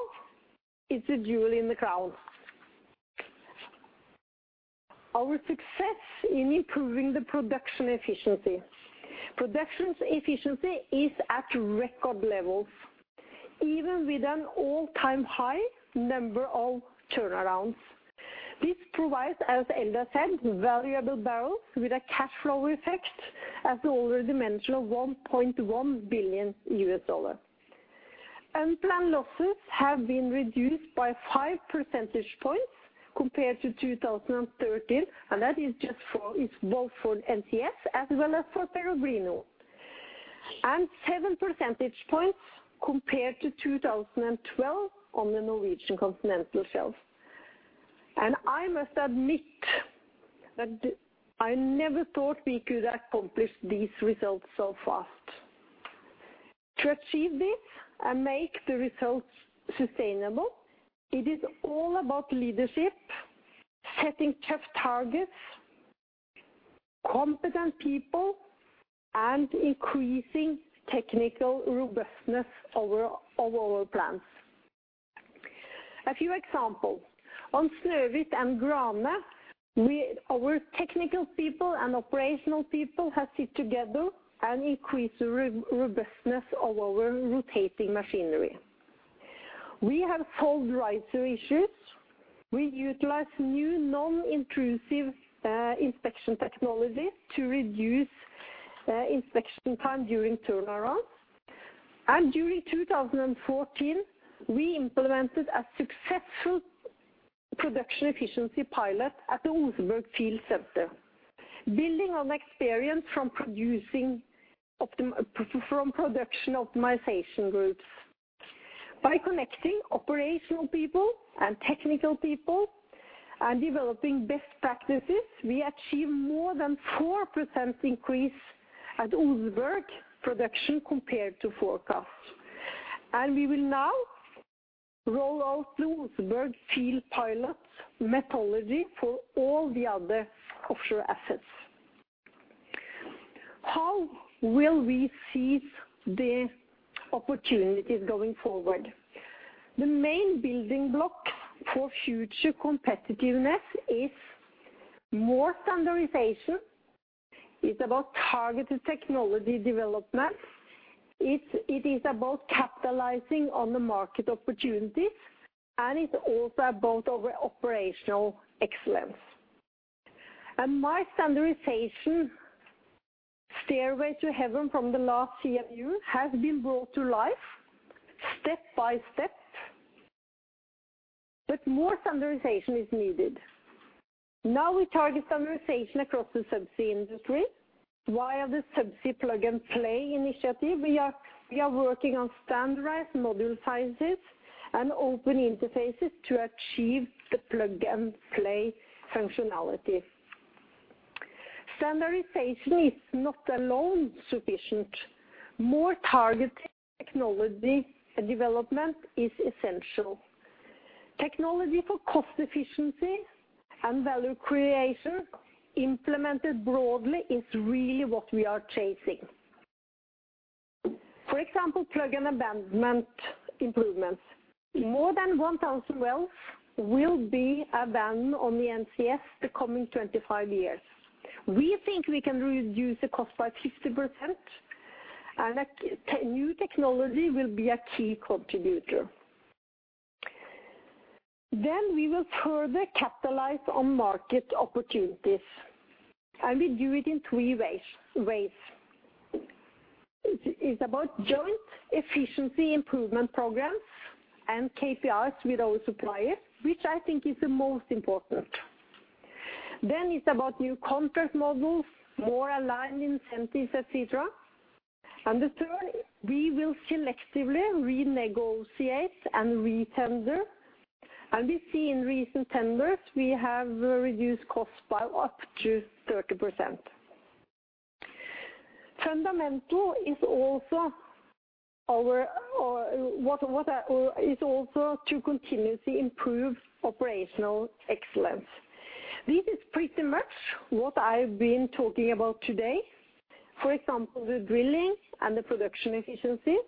S5: it's the jewel in the crown. Our success in improving the production efficiency. Production efficiency is at record levels, even with an all-time high number of turnarounds. This provides, as Eldar said, valuable barrels with a cash flow effect, as I already mentioned, of $1.1 billion. Unplanned losses have been reduced by 5 percentage points compared to 2013, and that is just for, it's both for NCS as well as for Peregrino, 7 percentage points compared to 2012 on the Norwegian Continental Shelf. I must admit that I never thought we could accomplish these results so fast. To achieve this and make the results sustainable, it is all about leadership, setting tough targets, competent people, and increasing technical robustness over all our plans. A few examples. On Snøhvit and Grane, our technical people and operational people have sat together and increased the robustness of our rotating machinery. We have solved riser issues. We utilize new non-intrusive inspection technology to reduce inspection time during turnaround. During 2014, we implemented a successful production efficiency pilot at the Oseberg field center, building on experience from production optimization groups. By connecting operational people and technical people and developing best practices, we achieved more than 4% increase at Oseberg production compared to forecast. We will now roll out the Oseberg field pilot methodology for all the other offshore assets. How will we seize the opportunities going forward? The main building block for future competitiveness is more standardization. It is about targeted technology development. It is about capitalizing on the market opportunities, and it is also about our operational excellence. My standardization stairway to heaven from the last CMU has been brought to life step by step. More standardization is needed. Now we target standardization across the subsea industry via the subsea plug-and-play initiative. We are working on standardized module sizes and open interfaces to achieve the plug and play functionality. Standardization is not alone sufficient. More targeted technology development is essential. Technology for cost efficiency and value creation implemented broadly is really what we are chasing. For example, plug and abandonment improvements. More than 1,000 wells will be abandoned on the NCS the coming 25 years. We think we can reduce the cost by 50% and a key new technology will be a key contributor. We will further capitalize on market opportunities, and we do it in three ways. It's about joint efficiency improvement programs and KPIs with our suppliers, which I think is the most important. It's about new contract models, more aligned incentives, et cetera. The third, we will selectively renegotiate and retender. We see in recent tenders we have reduced costs by up to 30%. Fundamental is also to continuously improve operational excellence. This is pretty much what I've been talking about today. For example, the drilling and the production efficiencies.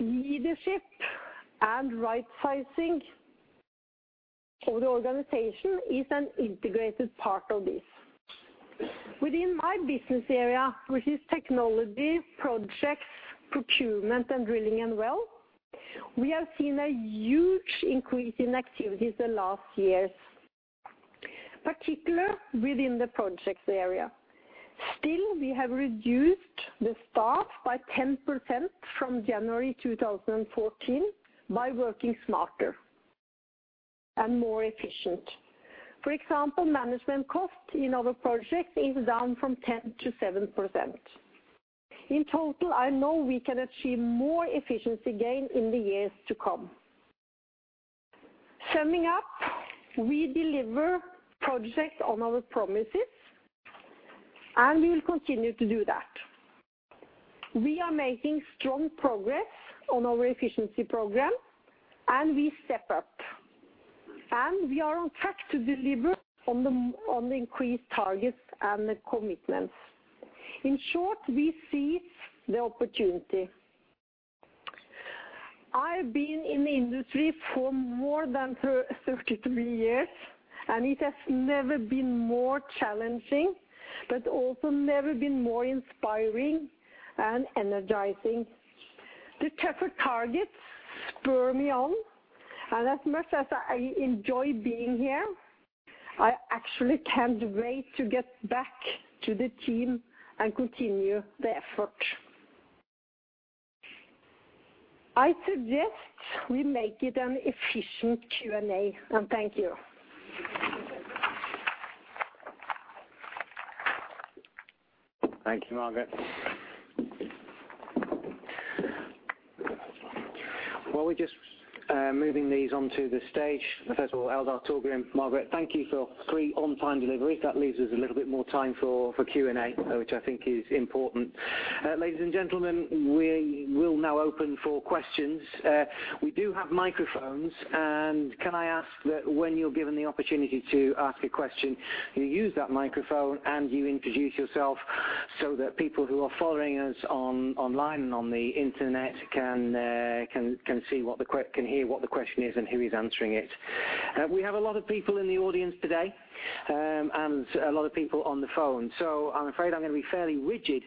S5: Leadership and rightsizing of the organization is an integrated part of this. Within my business area, which is technology, projects, procurement, and drilling and wells, we have seen a huge increase in activities the last years, particularly within the projects area. Still, we have reduced the staff by 10% from January 2014 by working smarter and more efficiently. For example, management cost in our projects is down from 10% to 7%. In total, I know we can achieve more efficiency gain in the years to come. Summing up, we deliver projects on our promises, and we will continue to do that. We are making strong progress on our efficiency program, and we step up. We are on track to deliver on the increased targets and the commitments. In short, we seize the opportunity. I've been in the industry for more than 33 years, and it has never been more challenging but also never been more inspiring and energizing. The tougher targets spur me on, and as much as I enjoy being here, I actually can't wait to get back to the team and continue the effort. I suggest we make it an efficient Q&A. Thank you.
S1: Thanks, Margareth. While we're just moving these onto the stage. First of all, Eldar, Torgrim, Margareth, thank you for three on-time deliveries. That leaves us a little bit more time for Q&A, which I think is important. Ladies and gentlemen, we will now open for questions. We do have microphones, and can I ask that when you're given the opportunity to ask a question, you use that microphone, and you introduce yourself so that people who are following us online and on the internet can hear what the question is and who is answering it. We have a lot of people in the audience today, and a lot of people on the phone. I'm afraid I'm gonna be fairly rigid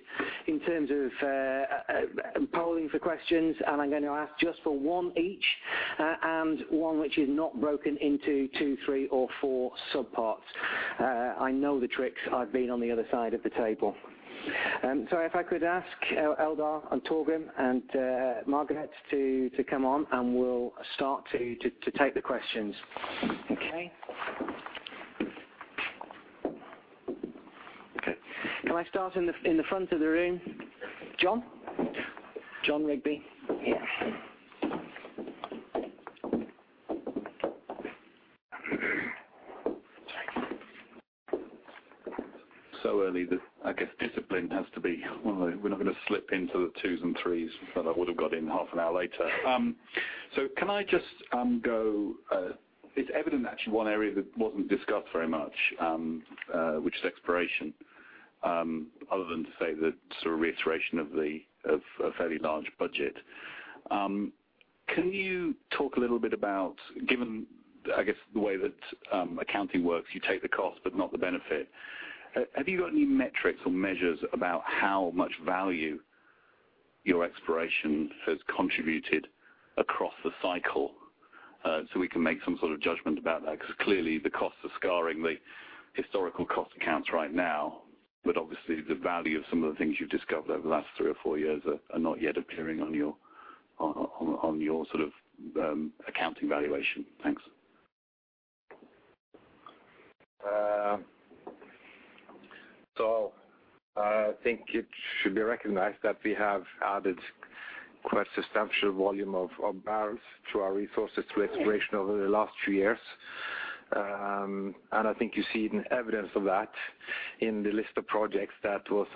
S1: in terms of polling for questions, and I'm gonna ask just for one each, and one which is not broken into two, three, or four subparts. I know the tricks. I've been on the other side of the table. If I could ask Eldar and Torgrim and Margareth to come on, and we'll start to take the questions. Okay. Can I start in the front of the room? Jon?
S6: Jon Rigby, UBS. Early that I guess discipline has to be, well, we're not gonna slip into the twos and threes that I would've got in half an hour later. Can I just go, it's evident actually one area that wasn't discussed very much, which is exploration, other than to say the sort of reiteration of a fairly large budget. Can you talk a little bit about, given, I guess, the way that accounting works, you take the cost but not the benefit. Have you got any metrics or measures about how much value your exploration has contributed across the cycle, so we can make some sort of judgment about that? 'Cause clearly the costs are scaring the historical cost accounts right now, but obviously the value of some of the things you've discovered over the last three or four years are not yet appearing on your sort of accounting valuation. Thanks.
S2: I think it should be recognized that we have added quite substantial volume of barrels to our resources through exploration over the last few years. I think you've seen evidence of that in the list of projects that was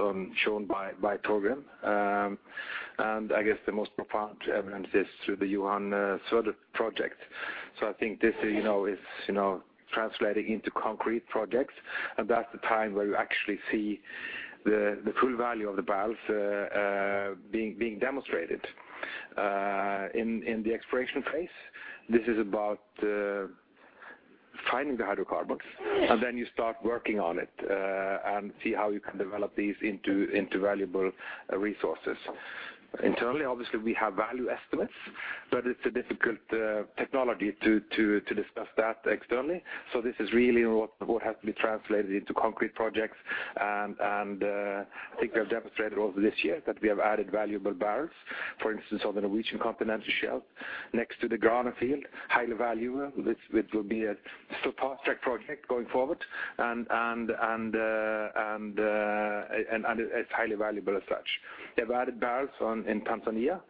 S2: shown by Torgrim. I guess the most profound evidence is through the Johan Sverdrup project. I think this, you know, is, you know, translating into concrete projects, and that's the time where you actually see the full value of the barrels being demonstrated. In the exploration phase, this is about finding the hydrocarbons, and then you start working on it and see how you can develop these into valuable resources. Internally, obviously, we have value estimates, but it's a difficult technology to discuss that externally. This is really what has to be translated into concrete projects. I think we have demonstrated over this year that we have added valuable barrels. For instance, on the Norwegian Continental Shelf next to the Grane field, highly valuable, which will be a fast-track project going forward and it's highly valuable as such. We have added barrels in Tanzania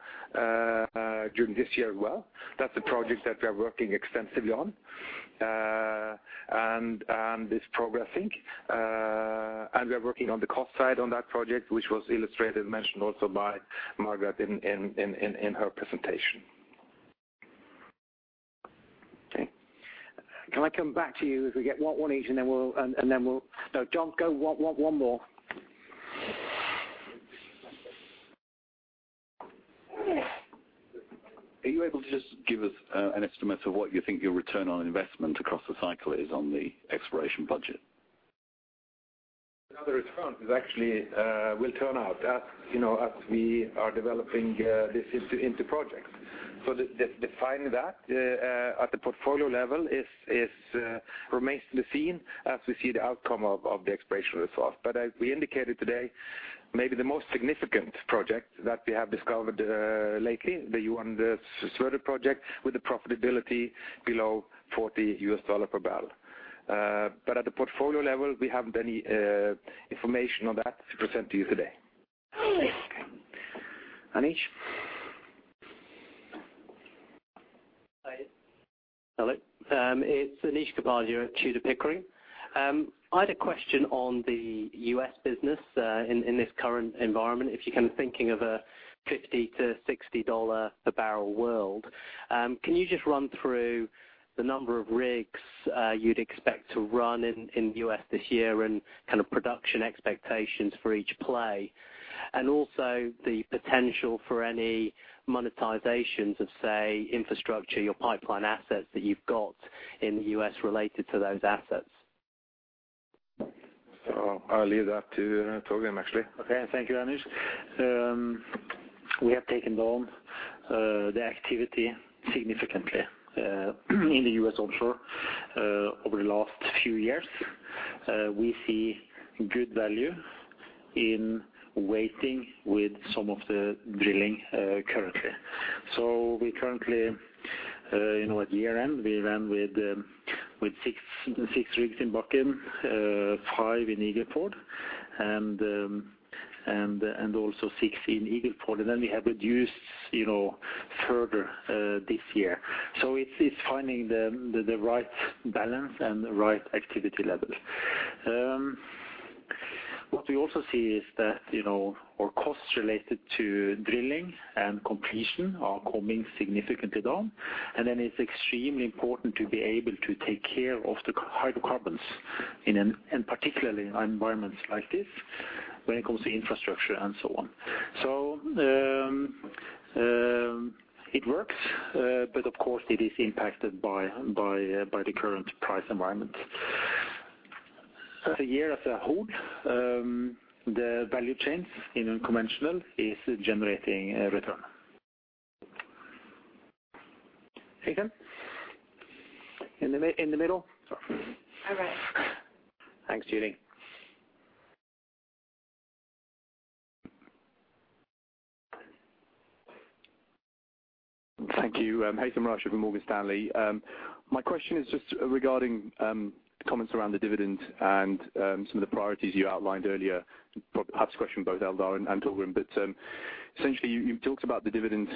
S2: during this year as well. That's a project that we are working extensively on, and it's progressing. We are working on the cost side on that project, which was illustrated and mentioned also by Margareth in her presentation.
S1: Okay. Can I come back to you if we get one each, and then we'll. No, Jon, go one more.
S6: Are you able to just give us an estimate of what you think your return on investment across the cycle is on the exploration budget?
S2: The return is actually will turn out as, you know, as we are developing this into projects. Defining that at the portfolio level is remains to be seen as we see the outcome of the exploration results. As we indicated today, maybe the most significant project that we have discovered lately, the Johan Sverdrup project with the profitability below $40 per barrel. At the portfolio level, we haven't any information on that to present to you today.
S1: Okay. Anish?
S7: It's Anish Kapadia at Tudor, Pickering, Holt & Co. I had a question on the U.S. business in this current environment. If you're kind of thinking of a $50-$60 per barrel world, can you just run through the number of rigs you'd expect to run in the U.S. this year and kind of production expectations for each play? Also the potential for any monetizations of, say, infrastructure, your pipeline assets that you've got in the U.S. related to those assets.
S2: I'll leave that to Torgrim, actually.
S4: Okay. Thank you, Anish. We have taken down the activity significantly in the U.S. offshore over the last few years. We see good value in waiting with some of the drilling currently. We currently, you know, at year-end, we ran with six rigs in Bakken, five in Eagle Ford, and also six in Eagle Ford. Then we have reduced, you know, further this year. It's finding the right balance and the right activity level. What we also see is that, you know, our costs related to drilling and completion are coming significantly down, and then it's extremely important to be able to take care of the hydrocarbons in particular environments like this when it comes to infrastructure and so on. It works. But of course it is impacted by the current price environment. As for the year as a whole, the value chains in unconventional is generating a return.
S1: Haythem? In the middle.
S8: All right.
S1: Thanks, Julie.
S9: Thank you. Haythem Rashed with Morgan Stanley. My question is just regarding the comments around the dividend and some of the priorities you outlined earlier. Perhaps a question for both Eldar and Torgrim. Essentially, you talked about the dividends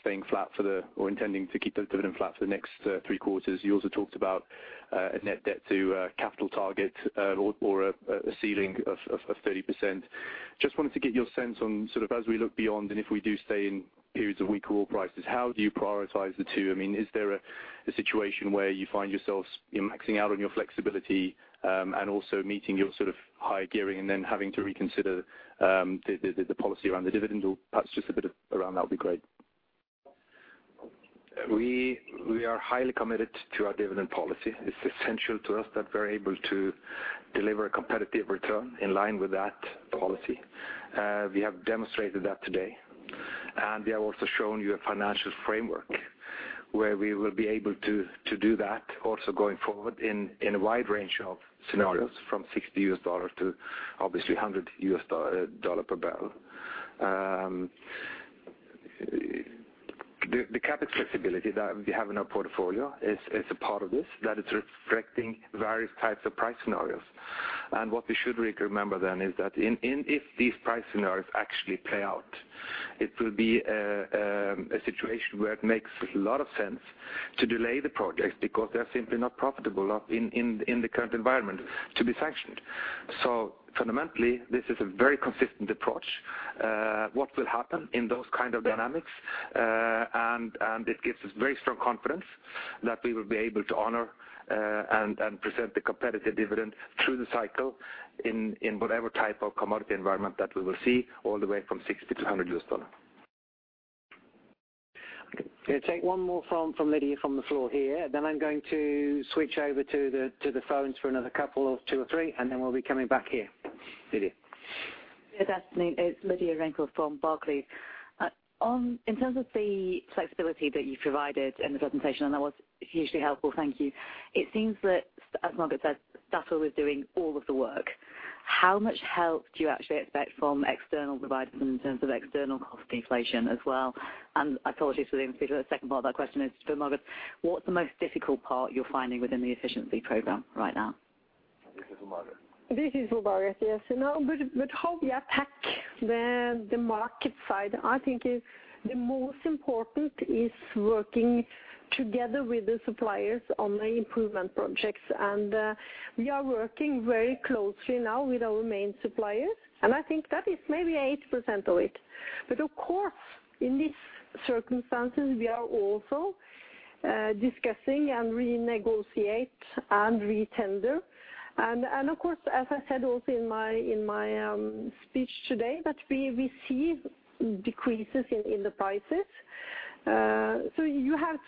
S9: staying flat or intending to keep the dividend flat for the next three quarters. You also talked about a net debt to capital target or a ceiling of 30%. Just wanted to get your sense on sort of as we look beyond and if we do stay in periods of weaker oil prices, how do you prioritize the two? I mean, is there a situation where you find yourselves, you know, maxing out on your flexibility, and also meeting your sort of high gearing and then having to reconsider the policy around the dividend or perhaps just a bit around that would be great?
S2: We are highly committed to our dividend policy. It's essential to us that we're able to deliver a competitive return in line with that policy. We have demonstrated that today, and we have also shown you a financial framework where we will be able to do that also going forward in a wide range of scenarios from $60 to obviously $100 per barrel. The CapEx flexibility that we have in our portfolio is a part of this, that it's reflecting various types of price scenarios. What we should remember then is that if these price scenarios actually play out, it will be a situation where it makes a lot of sense to delay the projects because they're simply not profitable in the current environment to be sanctioned. Fundamentally, this is a very consistent approach. What will happen in those kind of dynamics. It gives us very strong confidence that we will be able to honor and present the competitive dividend through the cycle in whatever type of commodity environment that we will see all the way from $60-$100.
S1: Okay. Gonna take one more from Lydia from the floor here. Then I'm going to switch over to the phones for another couple of two or three, and then we'll be coming back here. Lydia.
S10: Yeah, that's me. It's Lydia Rainforth from Barclays. In terms of the flexibility that you provided in the presentation, and that was hugely helpful, thank you. It seems that, as Margareth said, Statoil is doing all of the work. How much help do you actually expect from external providers in terms of external cost deflation as well? Apologies for the interjection. The second part of that question is for Margareth. What's the most difficult part you're finding within the efficiency program right now?
S2: This is for Margareth.
S5: This is Margareth. Yes, you know, but how we attack the market side, I think is the most important is working together with the suppliers on the improvement projects. We are working very closely now with our main suppliers, and I think that is maybe 80% of it. But of course, in these circumstances, we are also discussing and renegotiate and retender. Of course, as I said also in my speech today, that we see decreases in the prices. So you have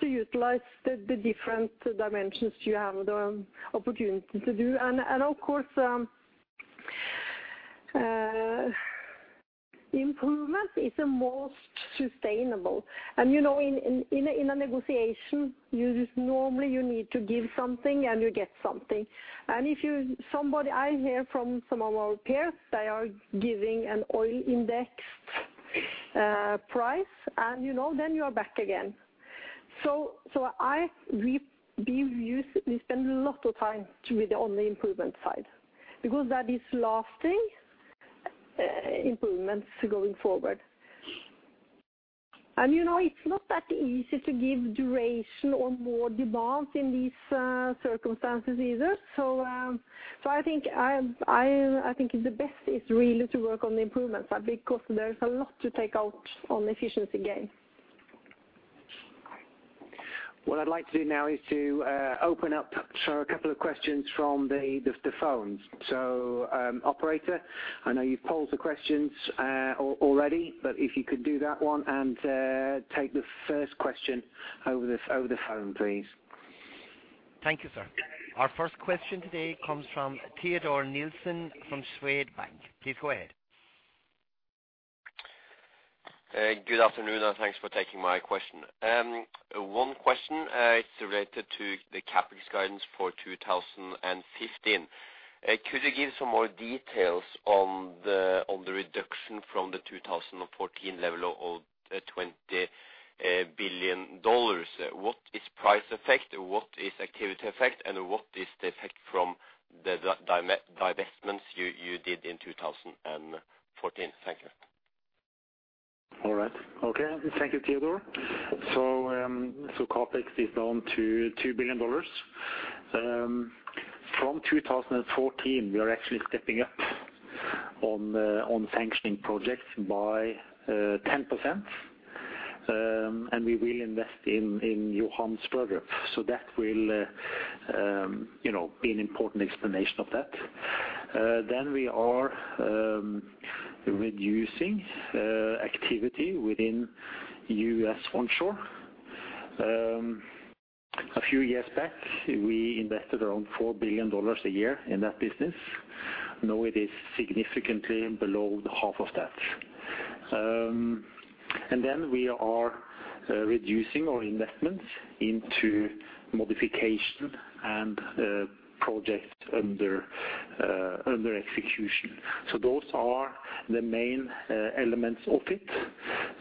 S5: to utilize the different dimensions you have the opportunity to do. Of course, improvement is the most sustainable. You know, in a negotiation, you just normally need to give something and you get something. If you. Sometimes I hear from some of our peers, they are giving an oil-indexed price and, you know, then you are back again. We spend a lot of time on the improvement side because that is lasting improvements going forward. You know, it's not that easy to give duration or more demand in these circumstances either. I think the best is really to work on the improvements side because there's a lot to take out in efficiency gain.
S1: What I'd like to do now is to open up to a couple of questions from the phones. Operator, I know you've polled the questions already, but if you could do that one and take the first question over the phone, please.
S3: Thank you, sir. Our first question today comes from Teodor Nilsen from Swedbank. Please go ahead.
S11: Good afternoon, and thanks for taking my question. One question, it's related to the CapEx guidance for 2015. Could you give some more details on the reduction from the 2014 level of $20 billion? What is price effect? What is activity effect? What is the effect from the divestments you did in 2014? Thank you.
S2: Thank you, Teodor. CapEx is down to $2 billion. From 2014 we are actually stepping up on sanctioning projects by 10%. We will invest in Johan Sverdrup. That will, you know, be an important explanation of that. We are reducing activity within U.S. onshore. A few years back we invested around $4 billion a year in that business. Now it is significantly below the half of that. We are reducing our investments into modification and projects under execution. Those are the main elements of it.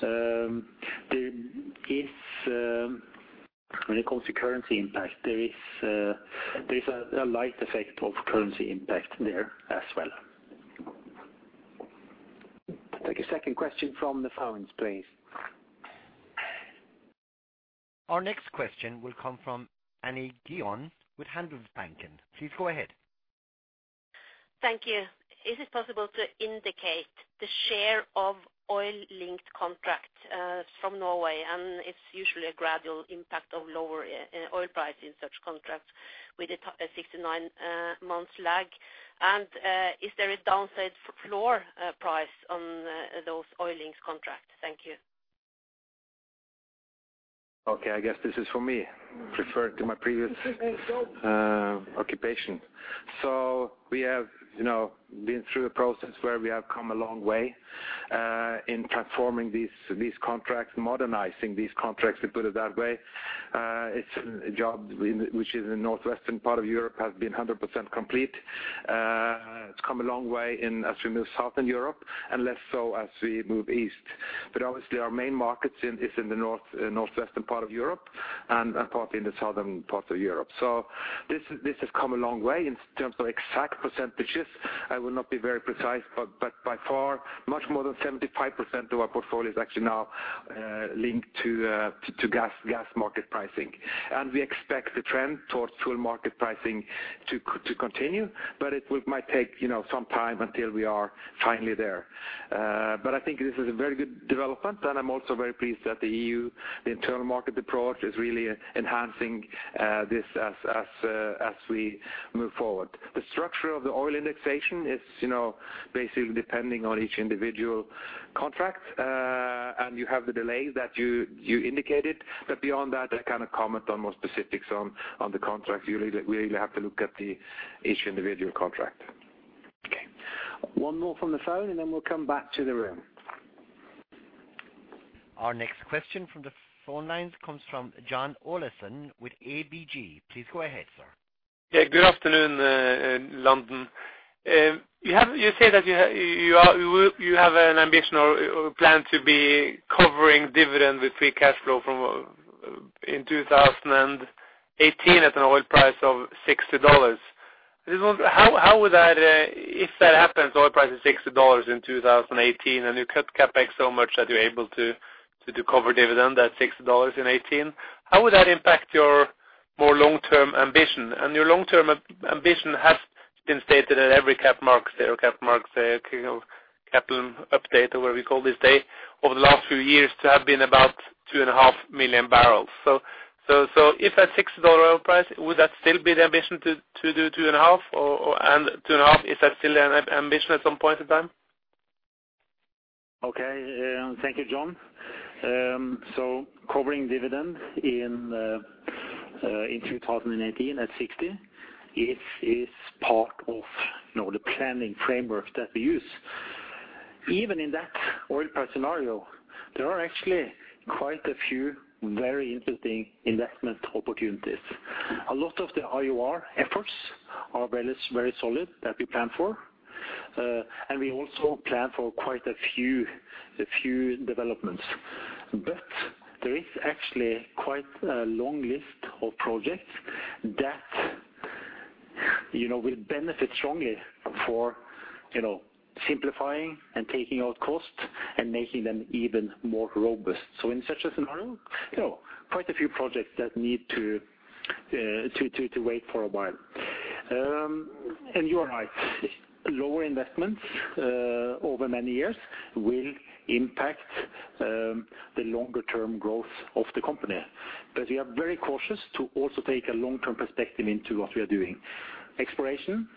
S2: There is, when it comes to currency impact, there is a slight effect of currency impact there as well.
S1: Take a second question from the phones, please.
S3: Our next question will come from Anne Gjøen with Handelsbanken. Please go ahead.
S12: Thank you. Is it possible to indicate the share of oil-linked contract from Norway? It's usually a gradual impact of lower oil price in such contracts with a 6-9 months lag. Is there a downside floor price on those oil-linked contracts? Thank you.
S2: Okay. I guess this is for me, referring to my previous occupation. We have, you know, been through a process where we have come a long way in transforming these contracts, modernizing these contracts, to put it that way. It's a job which is in the northwestern part of Europe, has been 100% complete. It's come a long way as we move to southern Europe and less so as we move east. Obviously our main markets are in the northern, northwestern part of Europe and partly in the southern part of Europe. This has come a long way. In terms of exact percentages, I will not be very precise, but by far, much more than 75% of our portfolio is actually now linked to gas market pricing. We expect the trend towards full market pricing to continue, but it might take some time until we are finally there. I think this is a very good development, and I'm also very pleased that the EU, the internal market approach is really enhancing this as we move forward. The structure of the oil indexation is basically depending on each individual contract. You have the delays that you indicated. Beyond that, I can't comment on more specifics on the contracts. We really have to look at each individual contract.
S1: Okay. One more from the phone, and then we'll come back to the room.
S3: Our next question from the phone lines comes from John Olaisen with ABG. Please go ahead, sir.
S13: Good afternoon, London. You say that you have an ambition or plan to be covering dividend with free cash flow in 2018 at an oil price of $60. How would that, if that happens, oil price is $60 in 2018, and you cut CapEx so much that you're able to cover dividend at $60 in 2018, how will that impact your more long-term ambition? Your long-term ambition has been stated at every CapEx mark, you know, capital update, or what we call this day, over the last few years to have been about 2.5 million barrels. If at $60 oil price, would that still be the ambition to do 2.5 million? Or 2.5 million is that still an ambition at some point in time?
S4: Okay. Thank you, John. Covering dividends in 2018 at $60 is part of, you know, the planning framework that we use. Even in that oil price scenario, there are actually quite a few very interesting investment opportunities. A lot of the IOR efforts are very solid that we plan for. We also plan for quite a few developments. There is actually quite a long list of projects that, you know, will benefit strongly from, you know, simplifying and taking out costs and making them even more robust. In such a scenario, you know, quite a few projects that need to wait for a while. You are right. Lower investments over many years will impact the longer term growth of the company. We are very cautious to also take a long-term perspective into what we are doing. Exploration,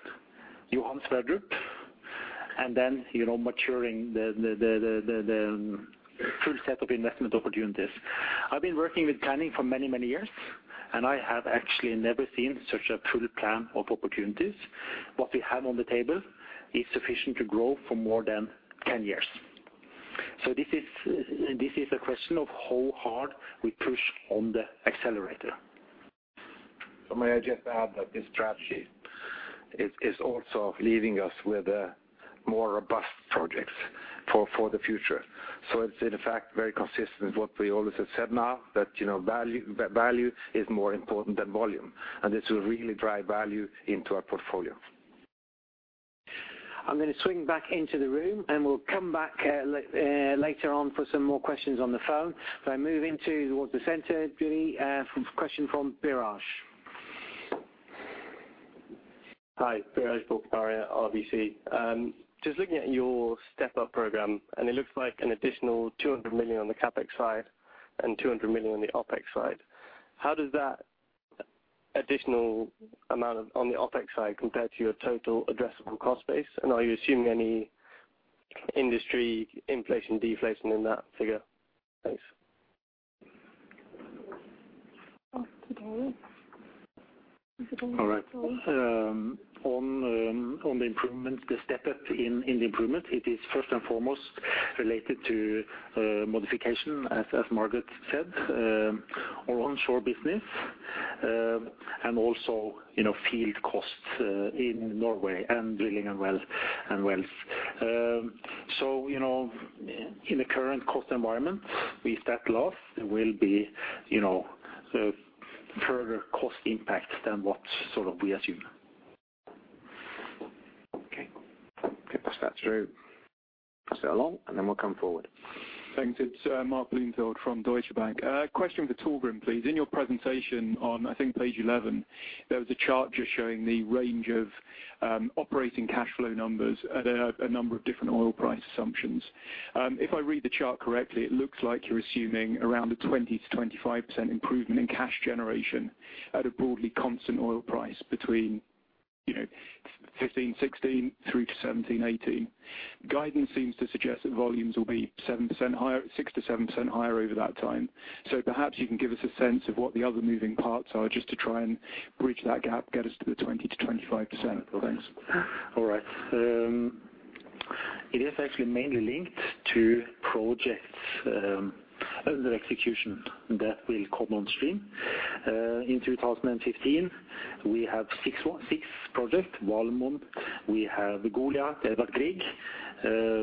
S4: Johan Sverdrup, and then, you know, maturing the full set of investment opportunities. I've been working with planning for many, many years, and I have actually never seen such a full plan of opportunities. What we have on the table is sufficient to grow for more than 10 years. This is a question of how hard we push on the accelerator.
S2: May I just add that this strategy is also leaving us with a more robust projects for the future. It's in fact very consistent with what we always have said now that, you know, value is more important than volume, and this will really drive value into our portfolio.
S1: I'm gonna swing back into the room, and we'll come back later on for some more questions on the phone. If I move into towards the center, Julie, question from Biraj.
S14: Hi, Biraj Borkhataria, RBC. Just looking at your step-up program, and it looks like an additional $200 million on the CapEx side and $200 million on the OpEx side. How does that additional amount on the OpEx side compare to your total addressable cost base? And are you assuming any industry inflation, deflation in that figure? Thanks.
S4: All right. On the improvement, the step-up in the improvement, it is first and foremost related to modification as Margareth said, our onshore business. Also, you know, field costs in Norway and drilling and wells. You know, in the current cost environment with that low, there will be, you know, further cost impact than what we sort of assume.
S1: Okay. Get this pass through. Pass that along, and then we'll come forward.
S15: Thanks. It's Mark Bloomfield from Deutsche Bank. Question for Torgrim, please. In your presentation on, I think, page eleven, there was a chart just showing the range of operating cash flow numbers at a number of different oil price assumptions. If I read the chart correctly, it looks like you're assuming around a 20%-25% improvement in cash generation at a broadly constant oil price between, you know, 2015, 2016 through to 2017, 2018. Guidance seems to suggest that volumes will be 7% higher, 6%-7% higher over that time. Perhaps you can give us a sense of what the other moving parts are just to try and bridge that gap, get us to the 20%-25%. Thanks.
S4: All right. It is actually mainly linked to projects under execution that will come on stream. In 2015, we have six projects, Valemon. We have Goliat, Edvard Grieg.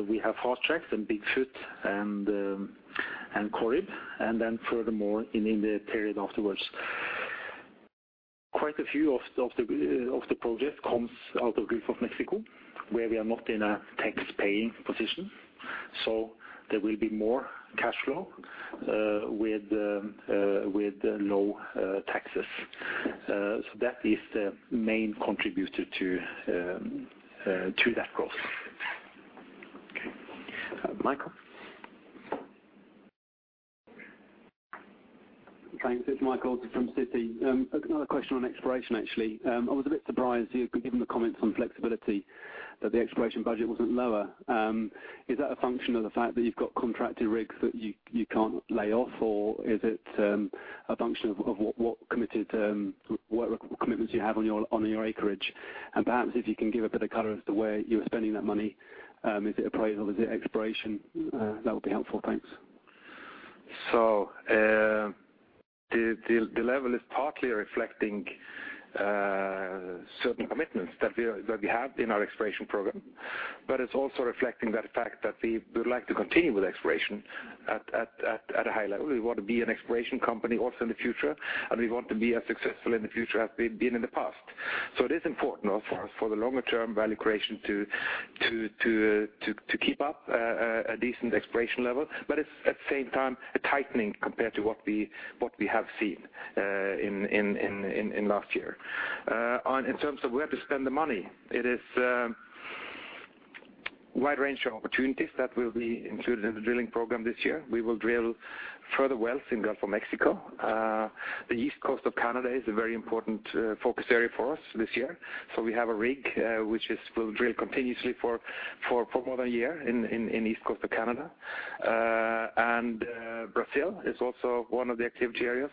S4: We have Fast-Track and Big Foot and Corrib, and then furthermore in the period afterwards. Quite a few of the projects come out of Gulf of Mexico, where we are not in a tax-paying position, so there will be more cash flow with low taxes. So that is the main contributor to that growth.
S1: Okay. Michael?
S16: Thanks. It's Michael from Citi. Another question on exploration actually. I was a bit surprised, given the comments on flexibility that the exploration budget wasn't lower. Is that a function of the fact that you've got contracted rigs that you can't lay off, or is it a function of what commitments you have on your acreage? Perhaps if you can give a bit of color as to where you're spending that money, is it appraisal? Is it exploration? That would be helpful. Thanks.
S2: The level is partly reflecting certain commitments that we have in our exploration program. It's also reflecting the fact that we would like to continue with exploration at a high level. We want to be an exploration company also in the future, and we want to be as successful in the future as we've been in the past. It is important for us, for the longer-term value creation to keep up a decent exploration level. It's at the same time a tightening compared to what we have seen in last year. In terms of where to spend the money, it is wide range of opportunities that will be included in the drilling program this year. We will drill further wells in Gulf of Mexico. The East Coast of Canada is a very important focus area for us this year. We have a rig which will drill continuously for more than a year in East Coast of Canada. Brazil is also one of the activity areas.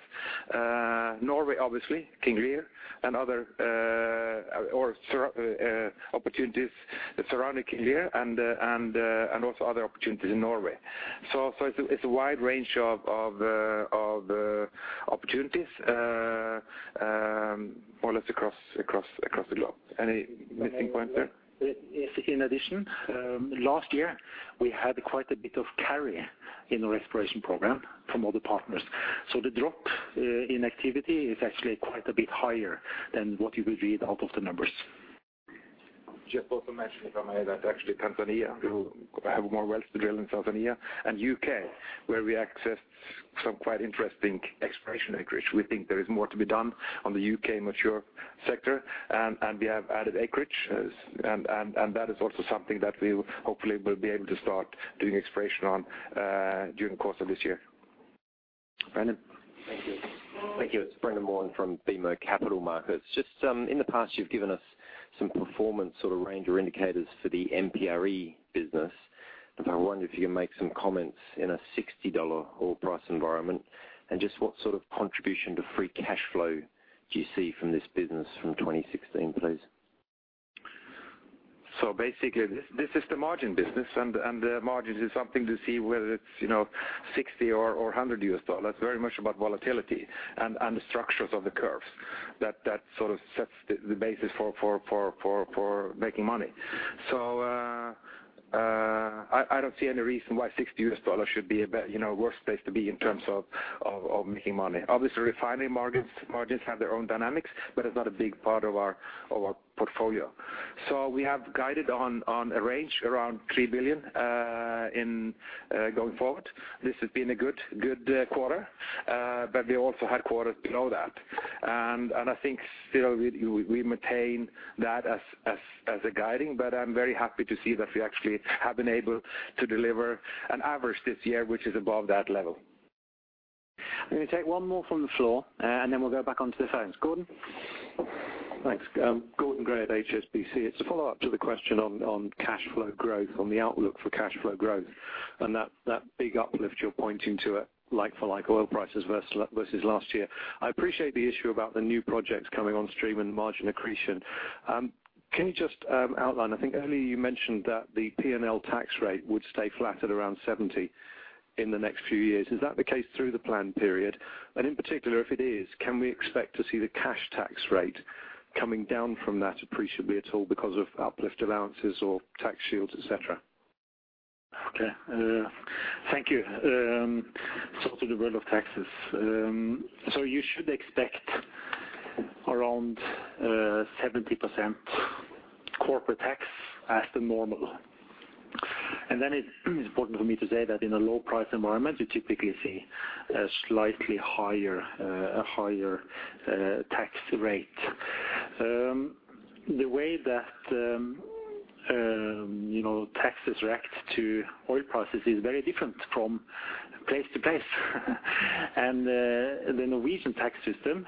S2: Norway obviously, King Lear and other opportunities surrounding King Lear and also other opportunities in Norway. It's a wide range of opportunities more or less across the globe. Any missing points there?
S4: In addition, last year we had quite a bit of carry in our exploration program from other partners. The drop in activity is actually quite a bit higher than what you would read out of the numbers.
S2: Just also mention if I may that actually Tanzania, we have more wells to drill in Tanzania and UK, where we accessed some quite interesting exploration acreage. We think there is more to be done on the UK mature sector and we have added acreage. That is also something that we hopefully will be able to start doing exploration on during the course of this year.
S1: Brandon.
S17: Thank you. It's Brendan Warn from BMO Capital Markets. Just, in the past you've given us some performance sort of range or indicators for the MPR business. I wonder if you can make some comments in a $60 oil price environment and just what sort of contribution to free cash flow do you see from this business from 2016, please?
S4: Basically this is the margin business and the margin is something to see whether it's, you know, $60 or $100. Very much about volatility and the structures of the curves that sort of sets the basis for making money. I don't see any reason why $60 should be a worse place to be in terms of making money. Obviously, refinery margins have their own dynamics, but it's not a big part of our portfolio. We have guided on a range around $3 billion going forward. This has been a good quarter. But we also had quarters below that. I think still we maintain that as a guiding. I'm very happy to see that we actually have been able to deliver an average this year, which is above that level.
S1: I'm gonna take one more from the floor and then we'll go back onto the phones. Gordon?
S18: Thanks. Gordon Gray at HSBC. It's a follow-up to the question on cash flow growth, on the outlook for cash flow growth and that big uplift you're pointing to at like-for-like oil prices versus last year. I appreciate the issue about the new projects coming on stream and margin accretion. Can you just outline, I think earlier you mentioned that the P&L tax rate would stay flat at around 70% in the next few years. Is that the case through the plan period? And in particular, if it is, can we expect to see the cash tax rate coming down from that appreciably at all because of uplift allowances or tax shields, et cetera?
S4: Okay. Thank you. To the world of taxes. You should expect around 70% corporate tax as the normal. Then it is important for me to say that in a low price environment, you typically see a slightly higher tax rate. The way that you know taxes react to oil prices is very different from place to place. The Norwegian tax system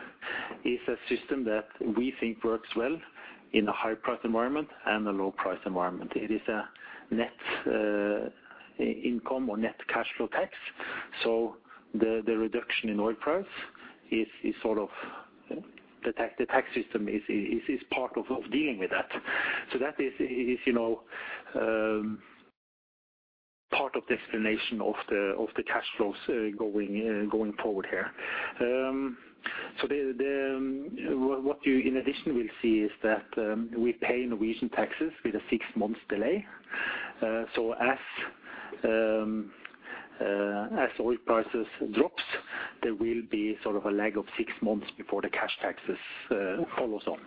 S4: is a system that we think works well in a high price environment and a low price environment. It is a net income or net cash flow tax. The reduction in oil price is sort of the tax system is part of dealing with that. That is, you know, part of the explanation of the cash flows going forward here. What you in addition will see is that we pay Norwegian taxes with a six months delay. As oil prices drops, there will be sort of a lag of six months before the cash taxes follows on.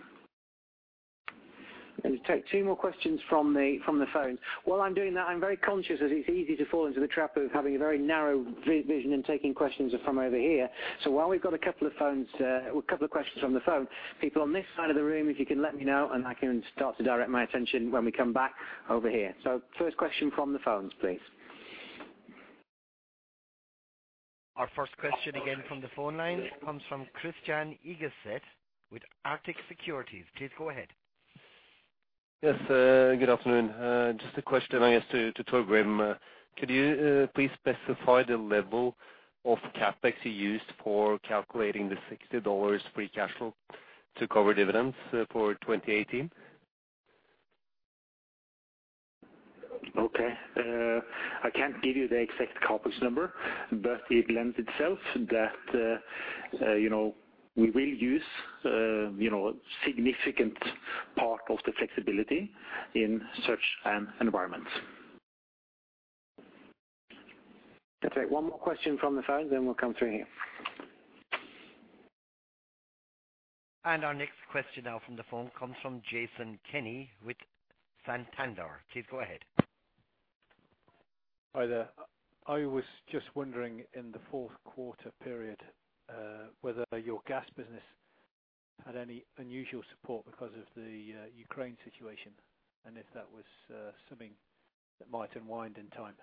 S1: Let me take two more questions from the phone. While I'm doing that, I'm very conscious that it's easy to fall into the trap of having a very narrow vision and taking questions from over here. While we've got a couple of phones, a couple of questions from the phone, people on this side of the room, if you can let me know and I can start to direct my attention when we come back over here. First question from the phones, please.
S3: Our first question again from the phone lines comes from Christian Yggeseth with Arctic Securities. Please go ahead.
S19: Yes, good afternoon. Just a question I guess to Torgrim Reitan. Could you please specify the level of CapEx you used for calculating the $60 free cash flow to cover dividends for 2018?
S2: Okay. I can't give you the exact CapEx number, but it lends itself that, you know, we will use, you know, significant part of the flexibility in such an environment.
S1: Let's take one more question from the phone, then we'll come through here.
S3: Our next question now from the phone comes from Jason Kenney with Santander. Please go ahead.
S20: Hi there. I was just wondering in the fourth quarter period whether your gas business had any unusual support because of the Ukraine situation, and if that was something that might unwind in time?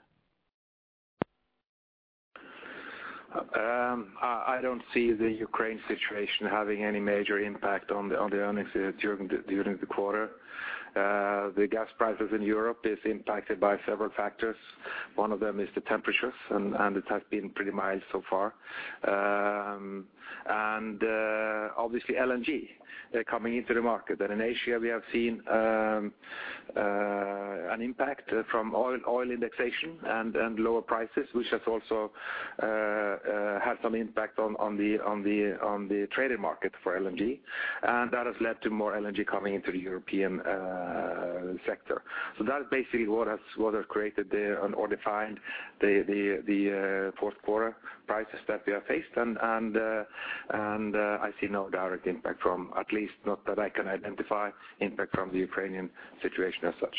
S2: I don't see the Ukraine situation having any major impact on the earnings during the quarter. The gas prices in Europe is impacted by several factors. One of them is the temperatures, and it has been pretty mild so far. Obviously LNG, they're coming into the market. In Asia we have seen an impact from oil indexation and lower prices, which has also had some impact on the traded market for LNG. That has led to more LNG coming into the European sector. That is basically what has created or defined the fourth quarter prices that we have faced. I see no direct impact from at least not that I can identify impact from the Ukrainian situation as such.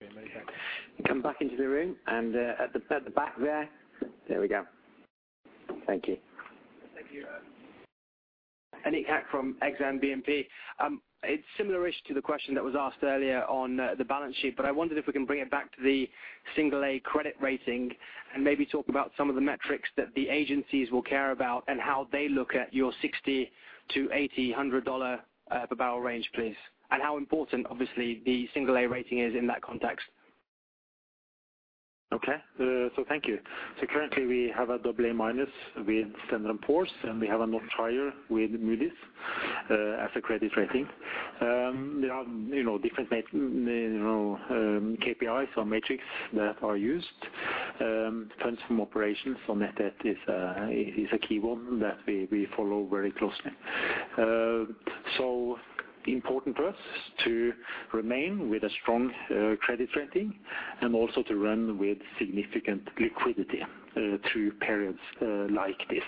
S1: We come back into the room and at the back there. There we go. Thank you.
S21: Thank you. Aneek Haq from Exane BNP Paribas. It's similar-ish to the question that was asked earlier on the balance sheet, but I wondered if we can bring it back to the single A credit rating and maybe talk about some of the metrics that the agencies will care about and how they look at your 60 to 80, $100 per barrel range, please. How important, obviously, the single A rating is in that context.
S2: Okay. Thank you. Currently we have AA- with Standard & Poor's, and we have a notch higher with Moody's as a credit rating. There are, you know, different KPIs or metrics that are used. Funds from operations to net debt is a key one that we follow very closely. Important for us to remain with a strong credit rating and also to run with significant liquidity through periods like this.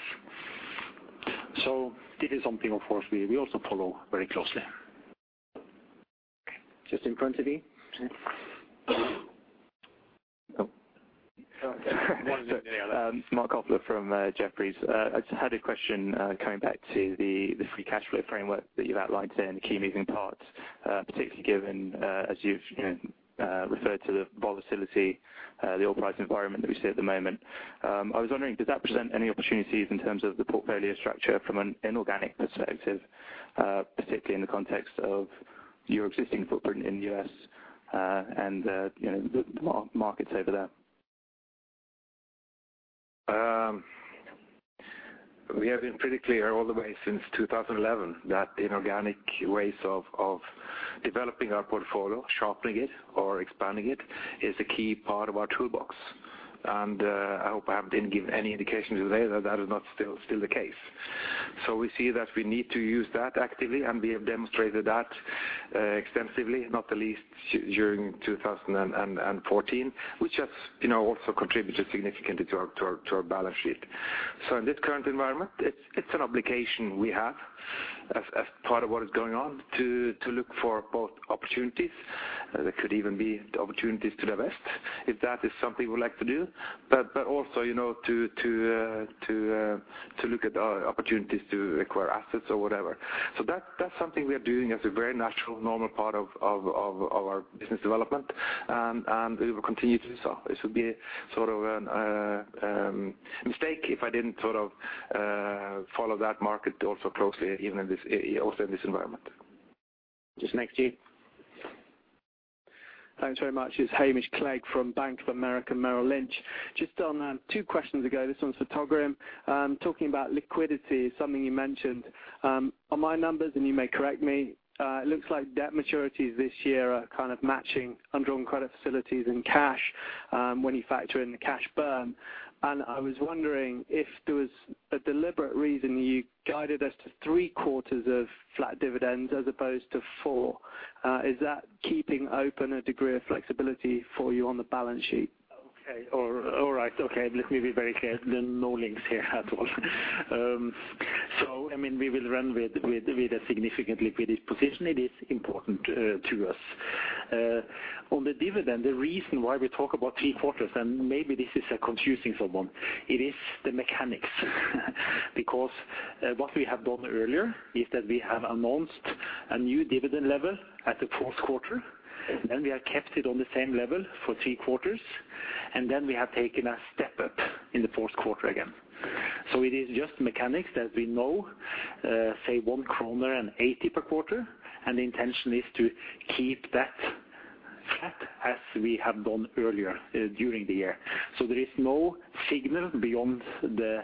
S2: This is something of course we also follow very closely.
S1: Just in front of you.
S22: Marc Kofler from Jefferies. I just had a question coming back to the free cash flow framework that you've outlined today and the key moving parts, particularly given as you've you know referred to the volatility the oil price environment that we see at the moment. I was wondering does that present any opportunities in terms of the portfolio structure from an inorganic perspective, particularly in the context of your existing footprint in U.S. and you know the markets over there?
S2: We have been pretty clear all the way since 2011 that inorganic ways of developing our portfolio, sharpening it or expanding it, is a key part of our toolbox. I hope I didn't give any indication today that that is not still the case. We see that we need to use that actively, and we have demonstrated that extensively, not the least during 2014, which has, you know, also contributed significantly to our balance sheet. In this current environment, it's an obligation we have as part of what is going on to look for both opportunities that could even be the opportunities to divest if that is something we'd like to do. Also, you know, to look at opportunities to acquire assets or whatever. That's something we are doing as a very natural, normal part of our business development. We will continue to do so. This would be sort of a mistake if I didn't sort of follow that market also closely even in this environment.
S1: Just next to you.
S23: Thanks very much. It's Hamish Clegg from Bank of America Merrill Lynch. Just on, two questions ago, this one's for Torgrim Reitan. Talking about liquidity, something you mentioned. On my numbers, and you may correct me, it looks like debt maturities this year are kind of matching undrawn credit facilities and cash, when you factor in the cash burn. I was wondering if there was a deliberate reason you guided us to three quarters of flat dividends as opposed to four. Is that keeping open a degree of flexibility for you on the balance sheet?
S2: Let me be very clear. There are no links here at all. I mean, we will run with a significant liquidity position. It is important to us. On the dividend, the reason why we talk about three quarters, and maybe this is confusing someone, it is the mechanics. Because what we have done earlier is that we have announced a new dividend level at the fourth quarter, and we have kept it on the same level for three quarters, and then we have taken a step up in the fourth quarter again. It is just mechanics as we know, say 1.80 kroner per quarter. The intention is to keep that flat as we have done earlier during the year. There is no signal beyond the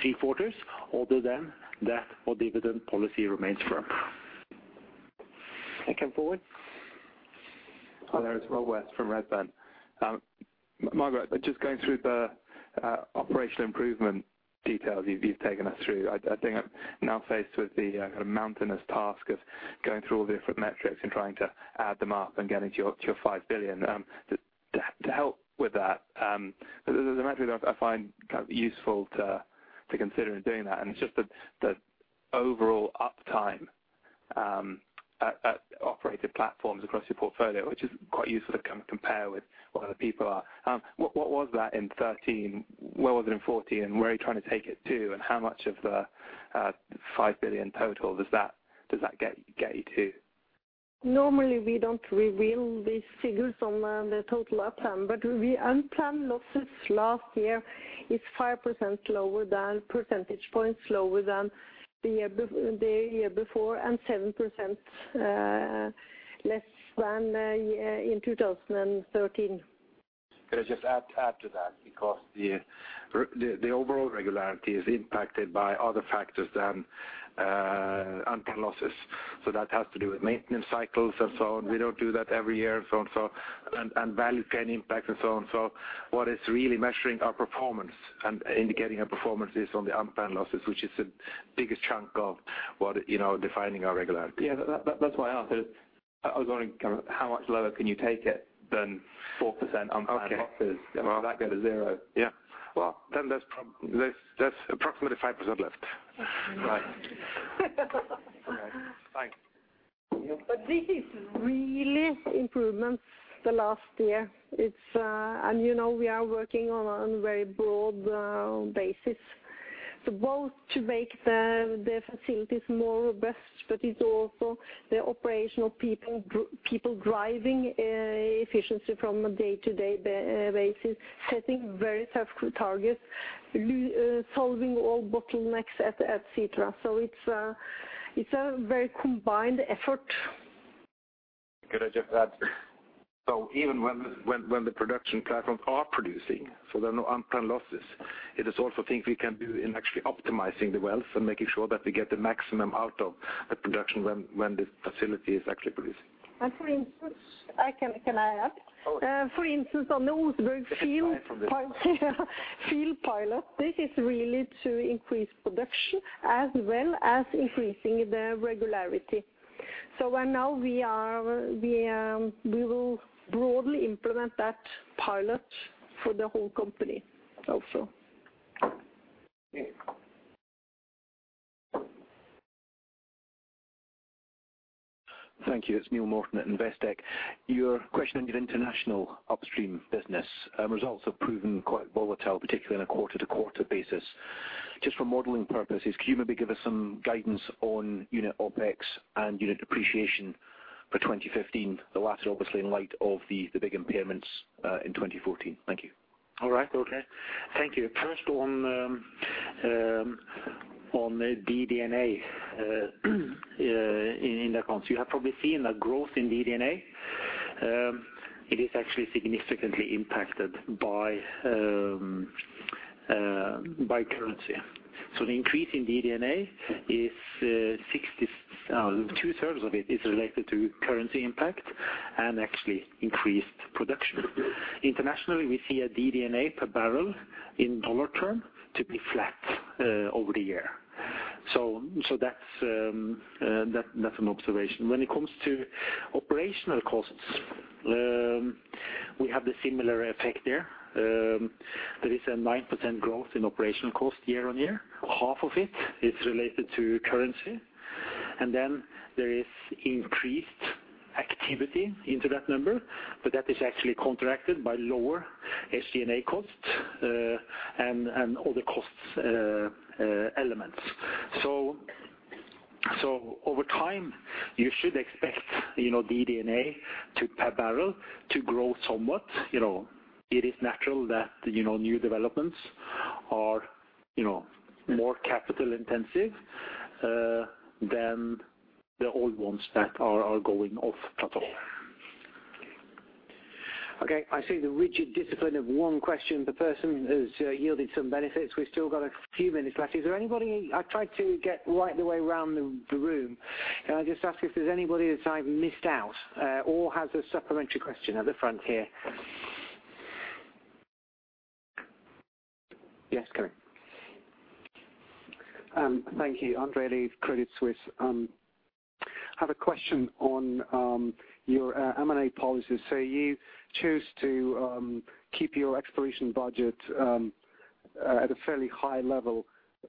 S2: three quarters other than that our dividend policy remains firm.
S1: Okay. Forward.
S24: Hi there. It's Rob West from Redburn. Margareth, just going through the operational improvement details you've taken us through, I think I'm now faced with the kind of mountainous task of going through all the different metrics and trying to add them up and getting to your $5 billion. To help with that, there's a metric that I find kind of useful to consider in doing that, and it's just the overall uptime at operated platforms across your portfolio, which is quite useful to kind of compare with where other people are. What was that in 2013? Where was it in 2014? Where are you trying to take it to? And how much of the $5 billion total does that get you to?
S5: Normally we don't reveal these figures on the total uptime. The unplanned losses last year is 5 percentage points lower than the year before, and 7% less than in 2013.
S2: Can I just add to that? Because the overall regularity is impacted by other factors than unplanned losses. That has to do with maintenance cycles and so on. We don't do that every year and so on, and value can impact and so on. What is really measuring our performance and indicating our performance is on the unplanned losses, which is the biggest chunk of what, you know, defining our regularity.
S24: Yeah. That's why I asked is I was wondering kind of how much lower can you take it than 4% unplanned losses?
S2: Okay.
S24: Can that go to zero?
S2: Yeah. Well, there's approximately 5% left.
S24: Right. Okay. Thanks.
S2: Thank you.
S5: This is really improvements the last year. It's you know we are working on a very broad basis to both make the facilities more robust, but it's also the operational people people driving efficiency from a day-to-day basis, setting very tough targets, solving all bottlenecks, etc. It's a very combined effort.
S2: Can I just add? Even when the production platforms are producing, so there are no unplanned losses, it is also things we can do in actually optimizing the wells and making sure that we get the maximum out of the production when the facility is actually producing.
S5: For instance, can I add?
S2: Oh, yeah.
S5: For instance, on the Oseberg field.
S2: I forgot.
S5: Field pilot. This is really to increase production as well as increasing the regularity. Right now we will broadly implement that pilot for the whole company also.
S2: Yeah.
S25: Thank you. It's Neill Morton at Investec. Your question on your international upstream business results have proven quite volatile, particularly on a quarter-to-quarter basis. Just for modeling purposes, can you maybe give us some guidance on unit OpEx and unit depreciation for 2015? The latter obviously in light of the big impairments in 2014. Thank you.
S2: All right. Okay. Thank you. First on the DD&A in the accounts. You have probably seen a growth in DD&A. It is actually significantly impacted by currency. The increase in DD&A is two-thirds of it related to currency impact and actually increased production. Internationally, we see a DD&A per barrel in dollar terms to be flat over the year. That's an observation. When it comes to operational costs, we have the similar effect there. There is a 9% growth in operational cost year-on-year. Half of it is related to currency. Then there is increased activity into that number, but that is actually counteracted by lower SG&A costs and other cost elements. Over time, you should expect, you know, DD&A to, per barrel, to grow somewhat. You know, it is natural that, you know, new developments are, you know, more capital intensive than the old ones that are going off plateau.
S1: Okay. I see the rigid discipline of one question per person has yielded some benefits. We've still got a few minutes left. Is there anybody. I've tried to get right the way around the room. Can I just ask if there's anybody that I've missed out, or has a supplementary question at the front here? Yes, go ahead.
S26: Thank you. Andrey Aleev, Credit Suisse. Have a question on your M&A policy. You choose to keep your exploration budget at a fairly high level,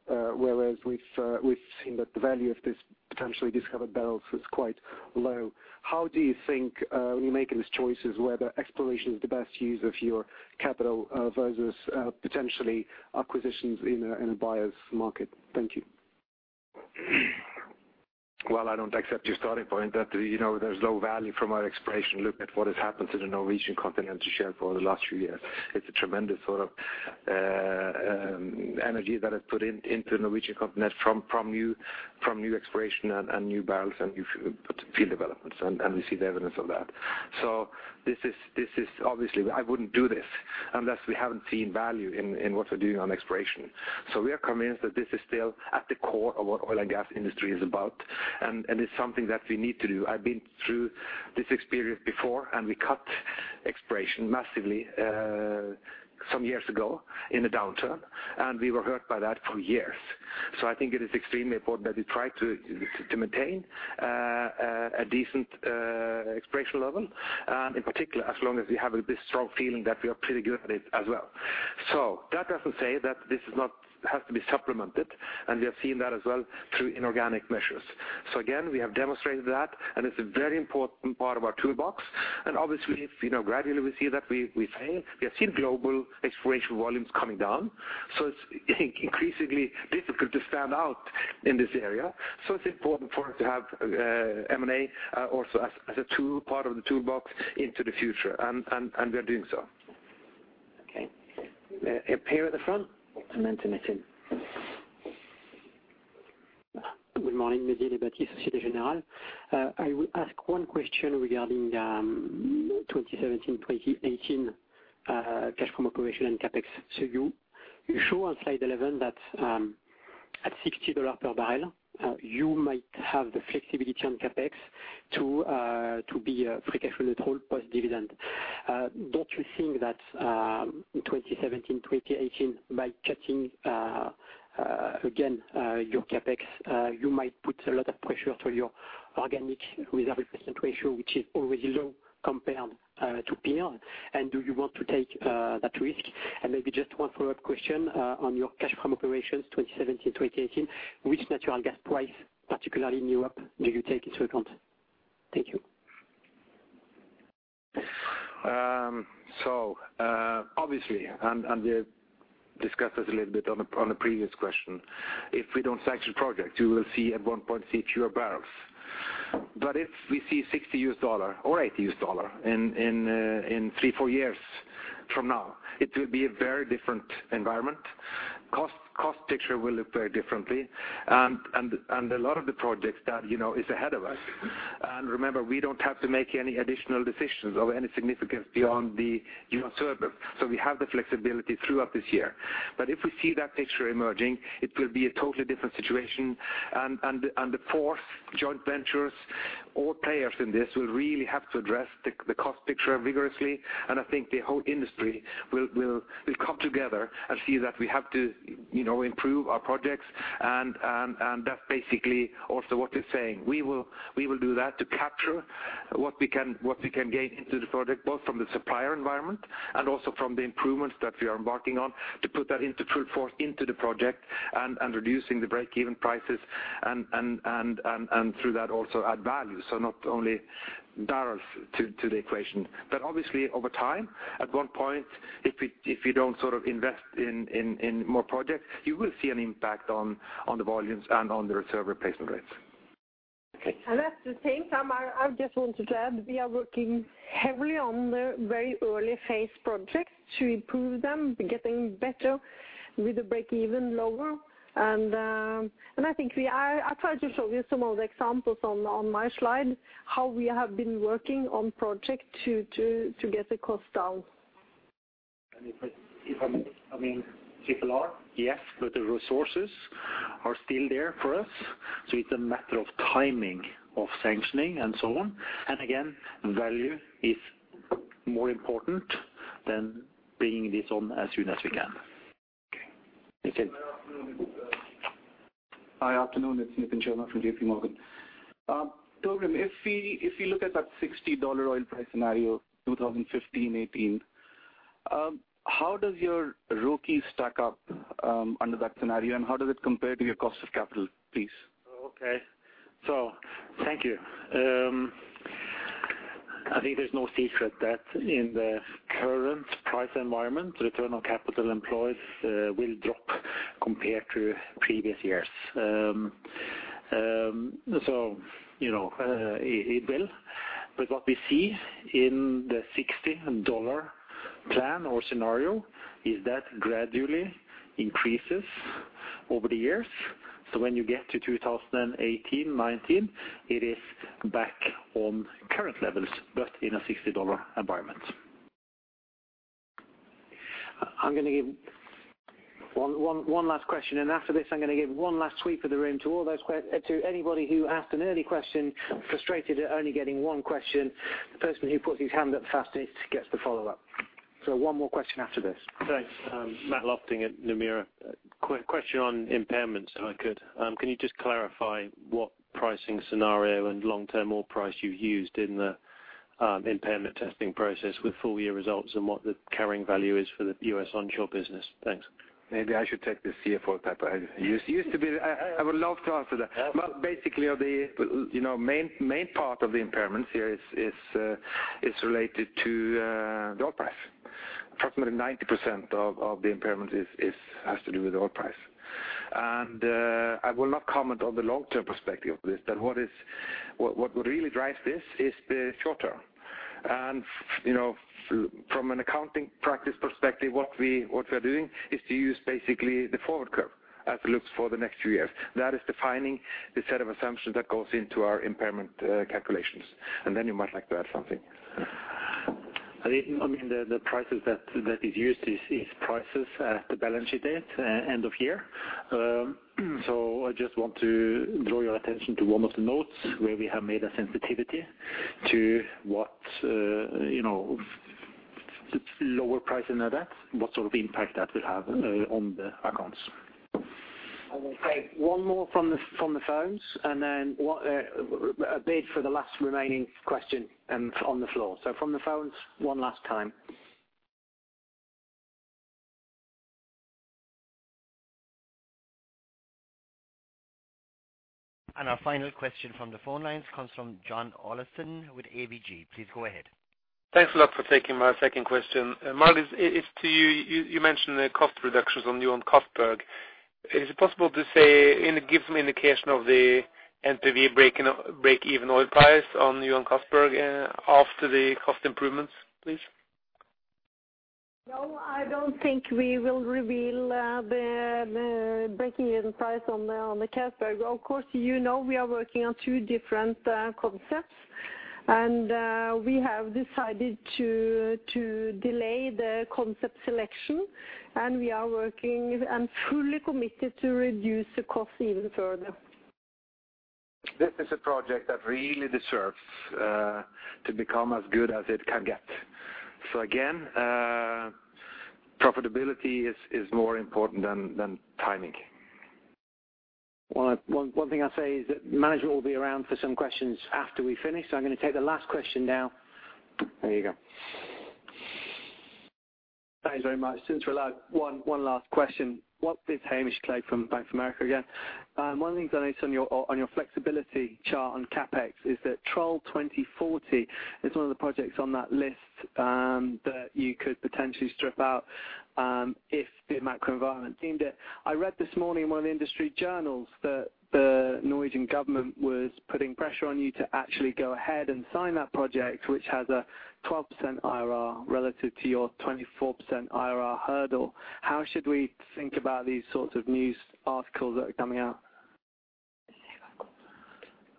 S26: whereas we've seen that the value of this potentially discovered barrels is quite low. How do you think when you're making these choices whether exploration is the best use of your capital versus potentially acquisitions in a buyer's market? Thank you.
S2: Well, I don't accept your starting point that, you know, there's low value from our exploration. Look at what has happened to the Norwegian Continental Shelf over the last few years. It's a tremendous sort of energy that has been put into the Norwegian Continental Shelf from new exploration and new barrels and new field developments, and we see the evidence of that. This is obviously something I wouldn't do unless we haven't seen value in what we're doing on exploration. We are convinced that this is still at the core of what oil and gas industry is about, and it's something that we need to do. I've been through this experience before, and we cut exploration massively some years ago in a downturn, and we were hurt by that for years. I think it is extremely important that we try to maintain a decent exploration level, and in particular, as long as we have this strong feeling that we are pretty good at it as well. That doesn't say that this has to be supplemented, and we have seen that as well through inorganic measures. Again, we have demonstrated that, and it's a very important part of our toolbox. Obviously, you know, gradually we see that we fail, we have seen global exploration volumes coming down, so it's increasingly difficult to stand out in this area. It's important for us to have M&A also as a tool, part of the toolbox into the future, and we are doing so.
S1: Okay. Up here at the front.
S27: Good morning. Mehdi Ennebati, Société Générale. I will ask one question regarding 2017, 2018, cash from operation and CapEx. You show on slide 11 that at $60 per barrel you might have the flexibility on CapEx to be free cash flow neutral post-dividend. Don't you think that in 2017, 2018, by cutting again your CapEx you might put a lot of pressure to your organic reserve replacement ratio, which is already low compared to peer? Do you want to take that risk? Maybe just one follow-up question on your cash from operations, 2017, 2018. Which natural gas price, particularly in Europe, do you take into account? Thank you.
S2: We have discussed this a little bit on the previous question. If we don't sanction projects, we will see fewer barrels at one point. If we see $60 or $80 in 3-4 years from now, it will be a very different environment. The cost picture will look very differently. A lot of the projects that, you know, is ahead of us. Remember, we don't have to make any additional decisions of any significance beyond the, you know, Snorre. We have the flexibility throughout this year. If we see that picture emerging, it will be a totally different situation. Therefore, joint ventures or players in this will really have to address the cost picture vigorously. I think the whole industry will come together and see that we have to, you know, improve our projects. That's basically also what they're saying. We will do that to capture what we can gain into the project, both from the supplier environment and also from the improvements that we are embarking on to put that into full force into the project and reducing the breakeven prices and through that also add value. Not only barrels to the equation. Obviously over time, at one point, if you don't sort of invest in more projects, you will see an impact on the volumes and on the reserve replacement rates.
S27: Okay.
S5: That's the same. I just wanted to add, we are working heavily on the very early phase projects to improve them, getting better with the breakeven lower. I think we are. I tried to show you some of the examples on my slide, how we have been working on project to get the cost down.
S2: If I may, I mean, people are yes, but the resources are still there for us. It's a matter of timing of sanctioning and so on. Again, value is more important than bringing this on as soon as we can.
S27: Okay. Thank you.
S28: Good afternoon. It's Nitin Sharma from JPMorgan. Torgrim, if we look at that $60 oil price scenario, 2015-2018, how does your ROCE stack up under that scenario? How does it compare to your cost of capital, please?
S4: Okay. Thank you. I think there's no secret that in the current price environment, return on capital employed will drop compared to previous years. You know, it will. What we see in the $60 plan or scenario is that gradually increases over the years. When you get to 2018, 2019, it is back on current levels, but in a $60 environment.
S1: I'm gonna give one last question, and after this I'm gonna give one last sweep of the room to all those, to anybody who asked an early question, frustrated at only getting one question. The person who puts his hand up fastest gets the follow-up. One more question after this.
S29: Thanks. Matt Lofting at Nomura. A question on impairments, if I could. Can you just clarify what pricing scenario and long-term oil price you used in the impairment testing process with full year results and what the carrying value is for the U.S. onshore business? Thanks.
S2: Maybe I should take the CFO type. I would love to answer that. Yeah. basically, you know, the main part of the impairments here is related to the oil price. Approximately 90% of the impairment has to do with the oil price. I will not comment on the long-term perspective of this, but what really drives this is the short term. You know, from an accounting practice perspective, what we are doing is to use basically the forward curve as it looks for the next few years. That is defining the set of assumptions that goes into our impairment calculations. Then you might like to add something. I mean, the prices that is used is prices at the balance sheet date, end of year. I just want to draw your attention to one of the notes where we have made a sensitivity to what, you know, lower price in that, what sort of impact that will have on the accounts.
S1: Okay. One more from the phones, and then what about the last remaining question on the floor. From the phones one last time. Our final question from the phone lines comes from John Olaisen with ABG. Please go ahead.
S13: Thanks a lot for taking my second question. Margareth, it's to you. You mentioned the cost reductions on Johan Castberg. Is it possible to say and give some indication of the NPV breakeven oil price on Johan Castberg after the cost improvements, please?
S5: No, I don't think we will reveal the breakeven price on the Castberg. Of course, you know we are working on two different concepts, and we have decided to delay the concept selection, and we are working and fully committed to reduce the cost even further.
S2: This is a project that really deserves to become as good as it can get. Again, profitability is more important than timing.
S1: One thing I say is that management will be around for some questions after we finish, so I'm gonna take the last question now. There you go.
S23: Thanks very much. Since we're allowed one last question. This is Hamish Clegg from Bank of America Merrill Lynch again. One of the things I noticed on your flexibility chart on CapEx is that Snorre 2040 is one of the projects on that list that you could potentially strip out if the macro environment deemed it. I read this morning in one of the industry journals that the Norwegian government was putting pressure on you to actually go ahead and sign that project, which has a 12% IRR relative to your 24% IRR hurdle. How should we think about these sorts of news articles that are coming out?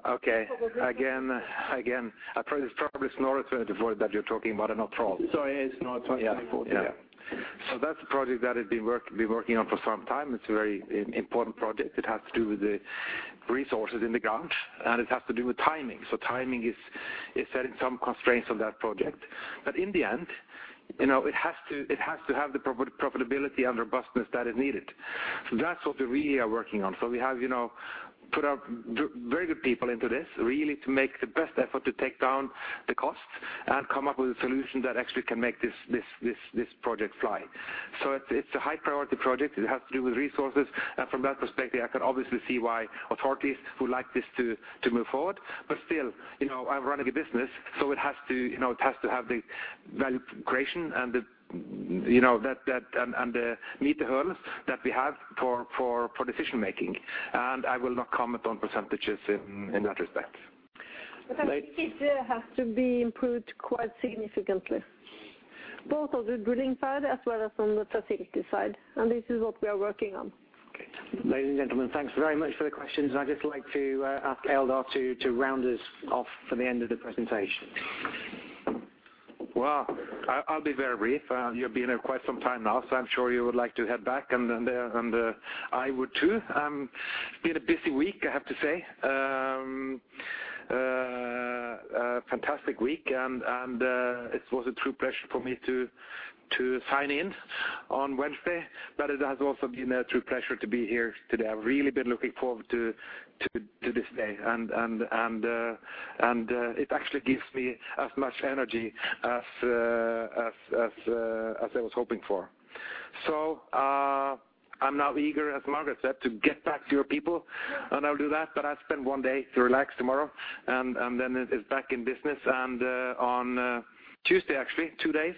S2: Okay. Again, it's probably Snorre 2040 that you're talking about and not Troll.
S23: Sorry, it's Snorre 2040.
S2: Yeah. That's a project that has been working on for some time. It's a very important project. It has to do with the resources in the ground, and it has to do with timing. Timing is setting some constraints on that project. In the end, you know, it has to have the profitability and robustness that is needed. That's what we really are working on. We have, you know, put our very good people into this, really to make the best effort to take down the costs and come up with a solution that actually can make this project fly. It's a high priority project. It has to do with resources. From that perspective, I can obviously see why authorities would like this to move forward. Still, you know, I'm running a business, so it has to, you know, it has to have the value creation and that. Meet the hurdles that we have for decision-making. I will not comment on percentages in that respect.
S5: I think it has to be improved quite significantly, both on the drilling side as well as on the facility side, and this is what we are working on.
S1: Okay. Ladies and gentlemen, thanks very much for the questions. I'd just like to ask Eldar to round us off for the end of the presentation.
S2: Well, I'll be very brief. You've been here quite some time now, so I'm sure you would like to head back, and I would too. Been a busy week, I have to say. A fantastic week and it was a true pleasure for me to sign in on Wednesday, but it has also been a true pleasure to be here today. I've really been looking forward to this day and it actually gives me as much energy as I was hoping for. I'm now eager, as Margareth said, to get back to your people, and I'll do that. I spend one day to relax tomorrow and then it is back in business. On Tuesday, actually two days,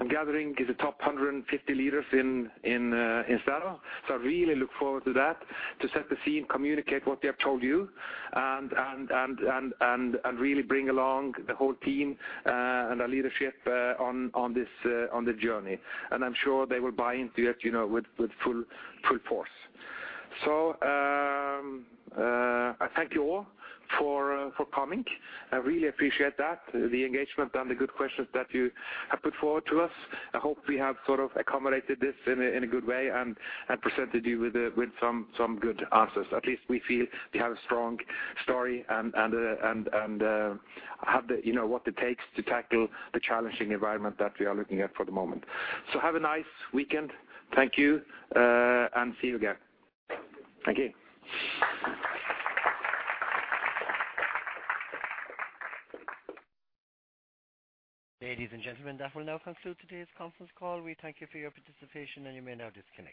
S2: I'm gathering the top 150 leaders in Statoil. I really look forward to that, to set the scene, communicate what we have told you and really bring along the whole team and our leadership on this journey. I'm sure they will buy into it, you know, with full force. I thank you all for coming. I really appreciate that, the engagement and the good questions that you have put forward to us. I hope we have sort of accommodated this in a good way and presented you with some good answers. At least we feel we have a strong story and have the, you know, what it takes to tackle the challenging environment that we are looking at for the moment. Have a nice weekend. Thank you, and see you again. Thank you.
S3: Ladies and gentlemen, that will now conclude today's conference call. We thank you for your participation, and you may now disconnect.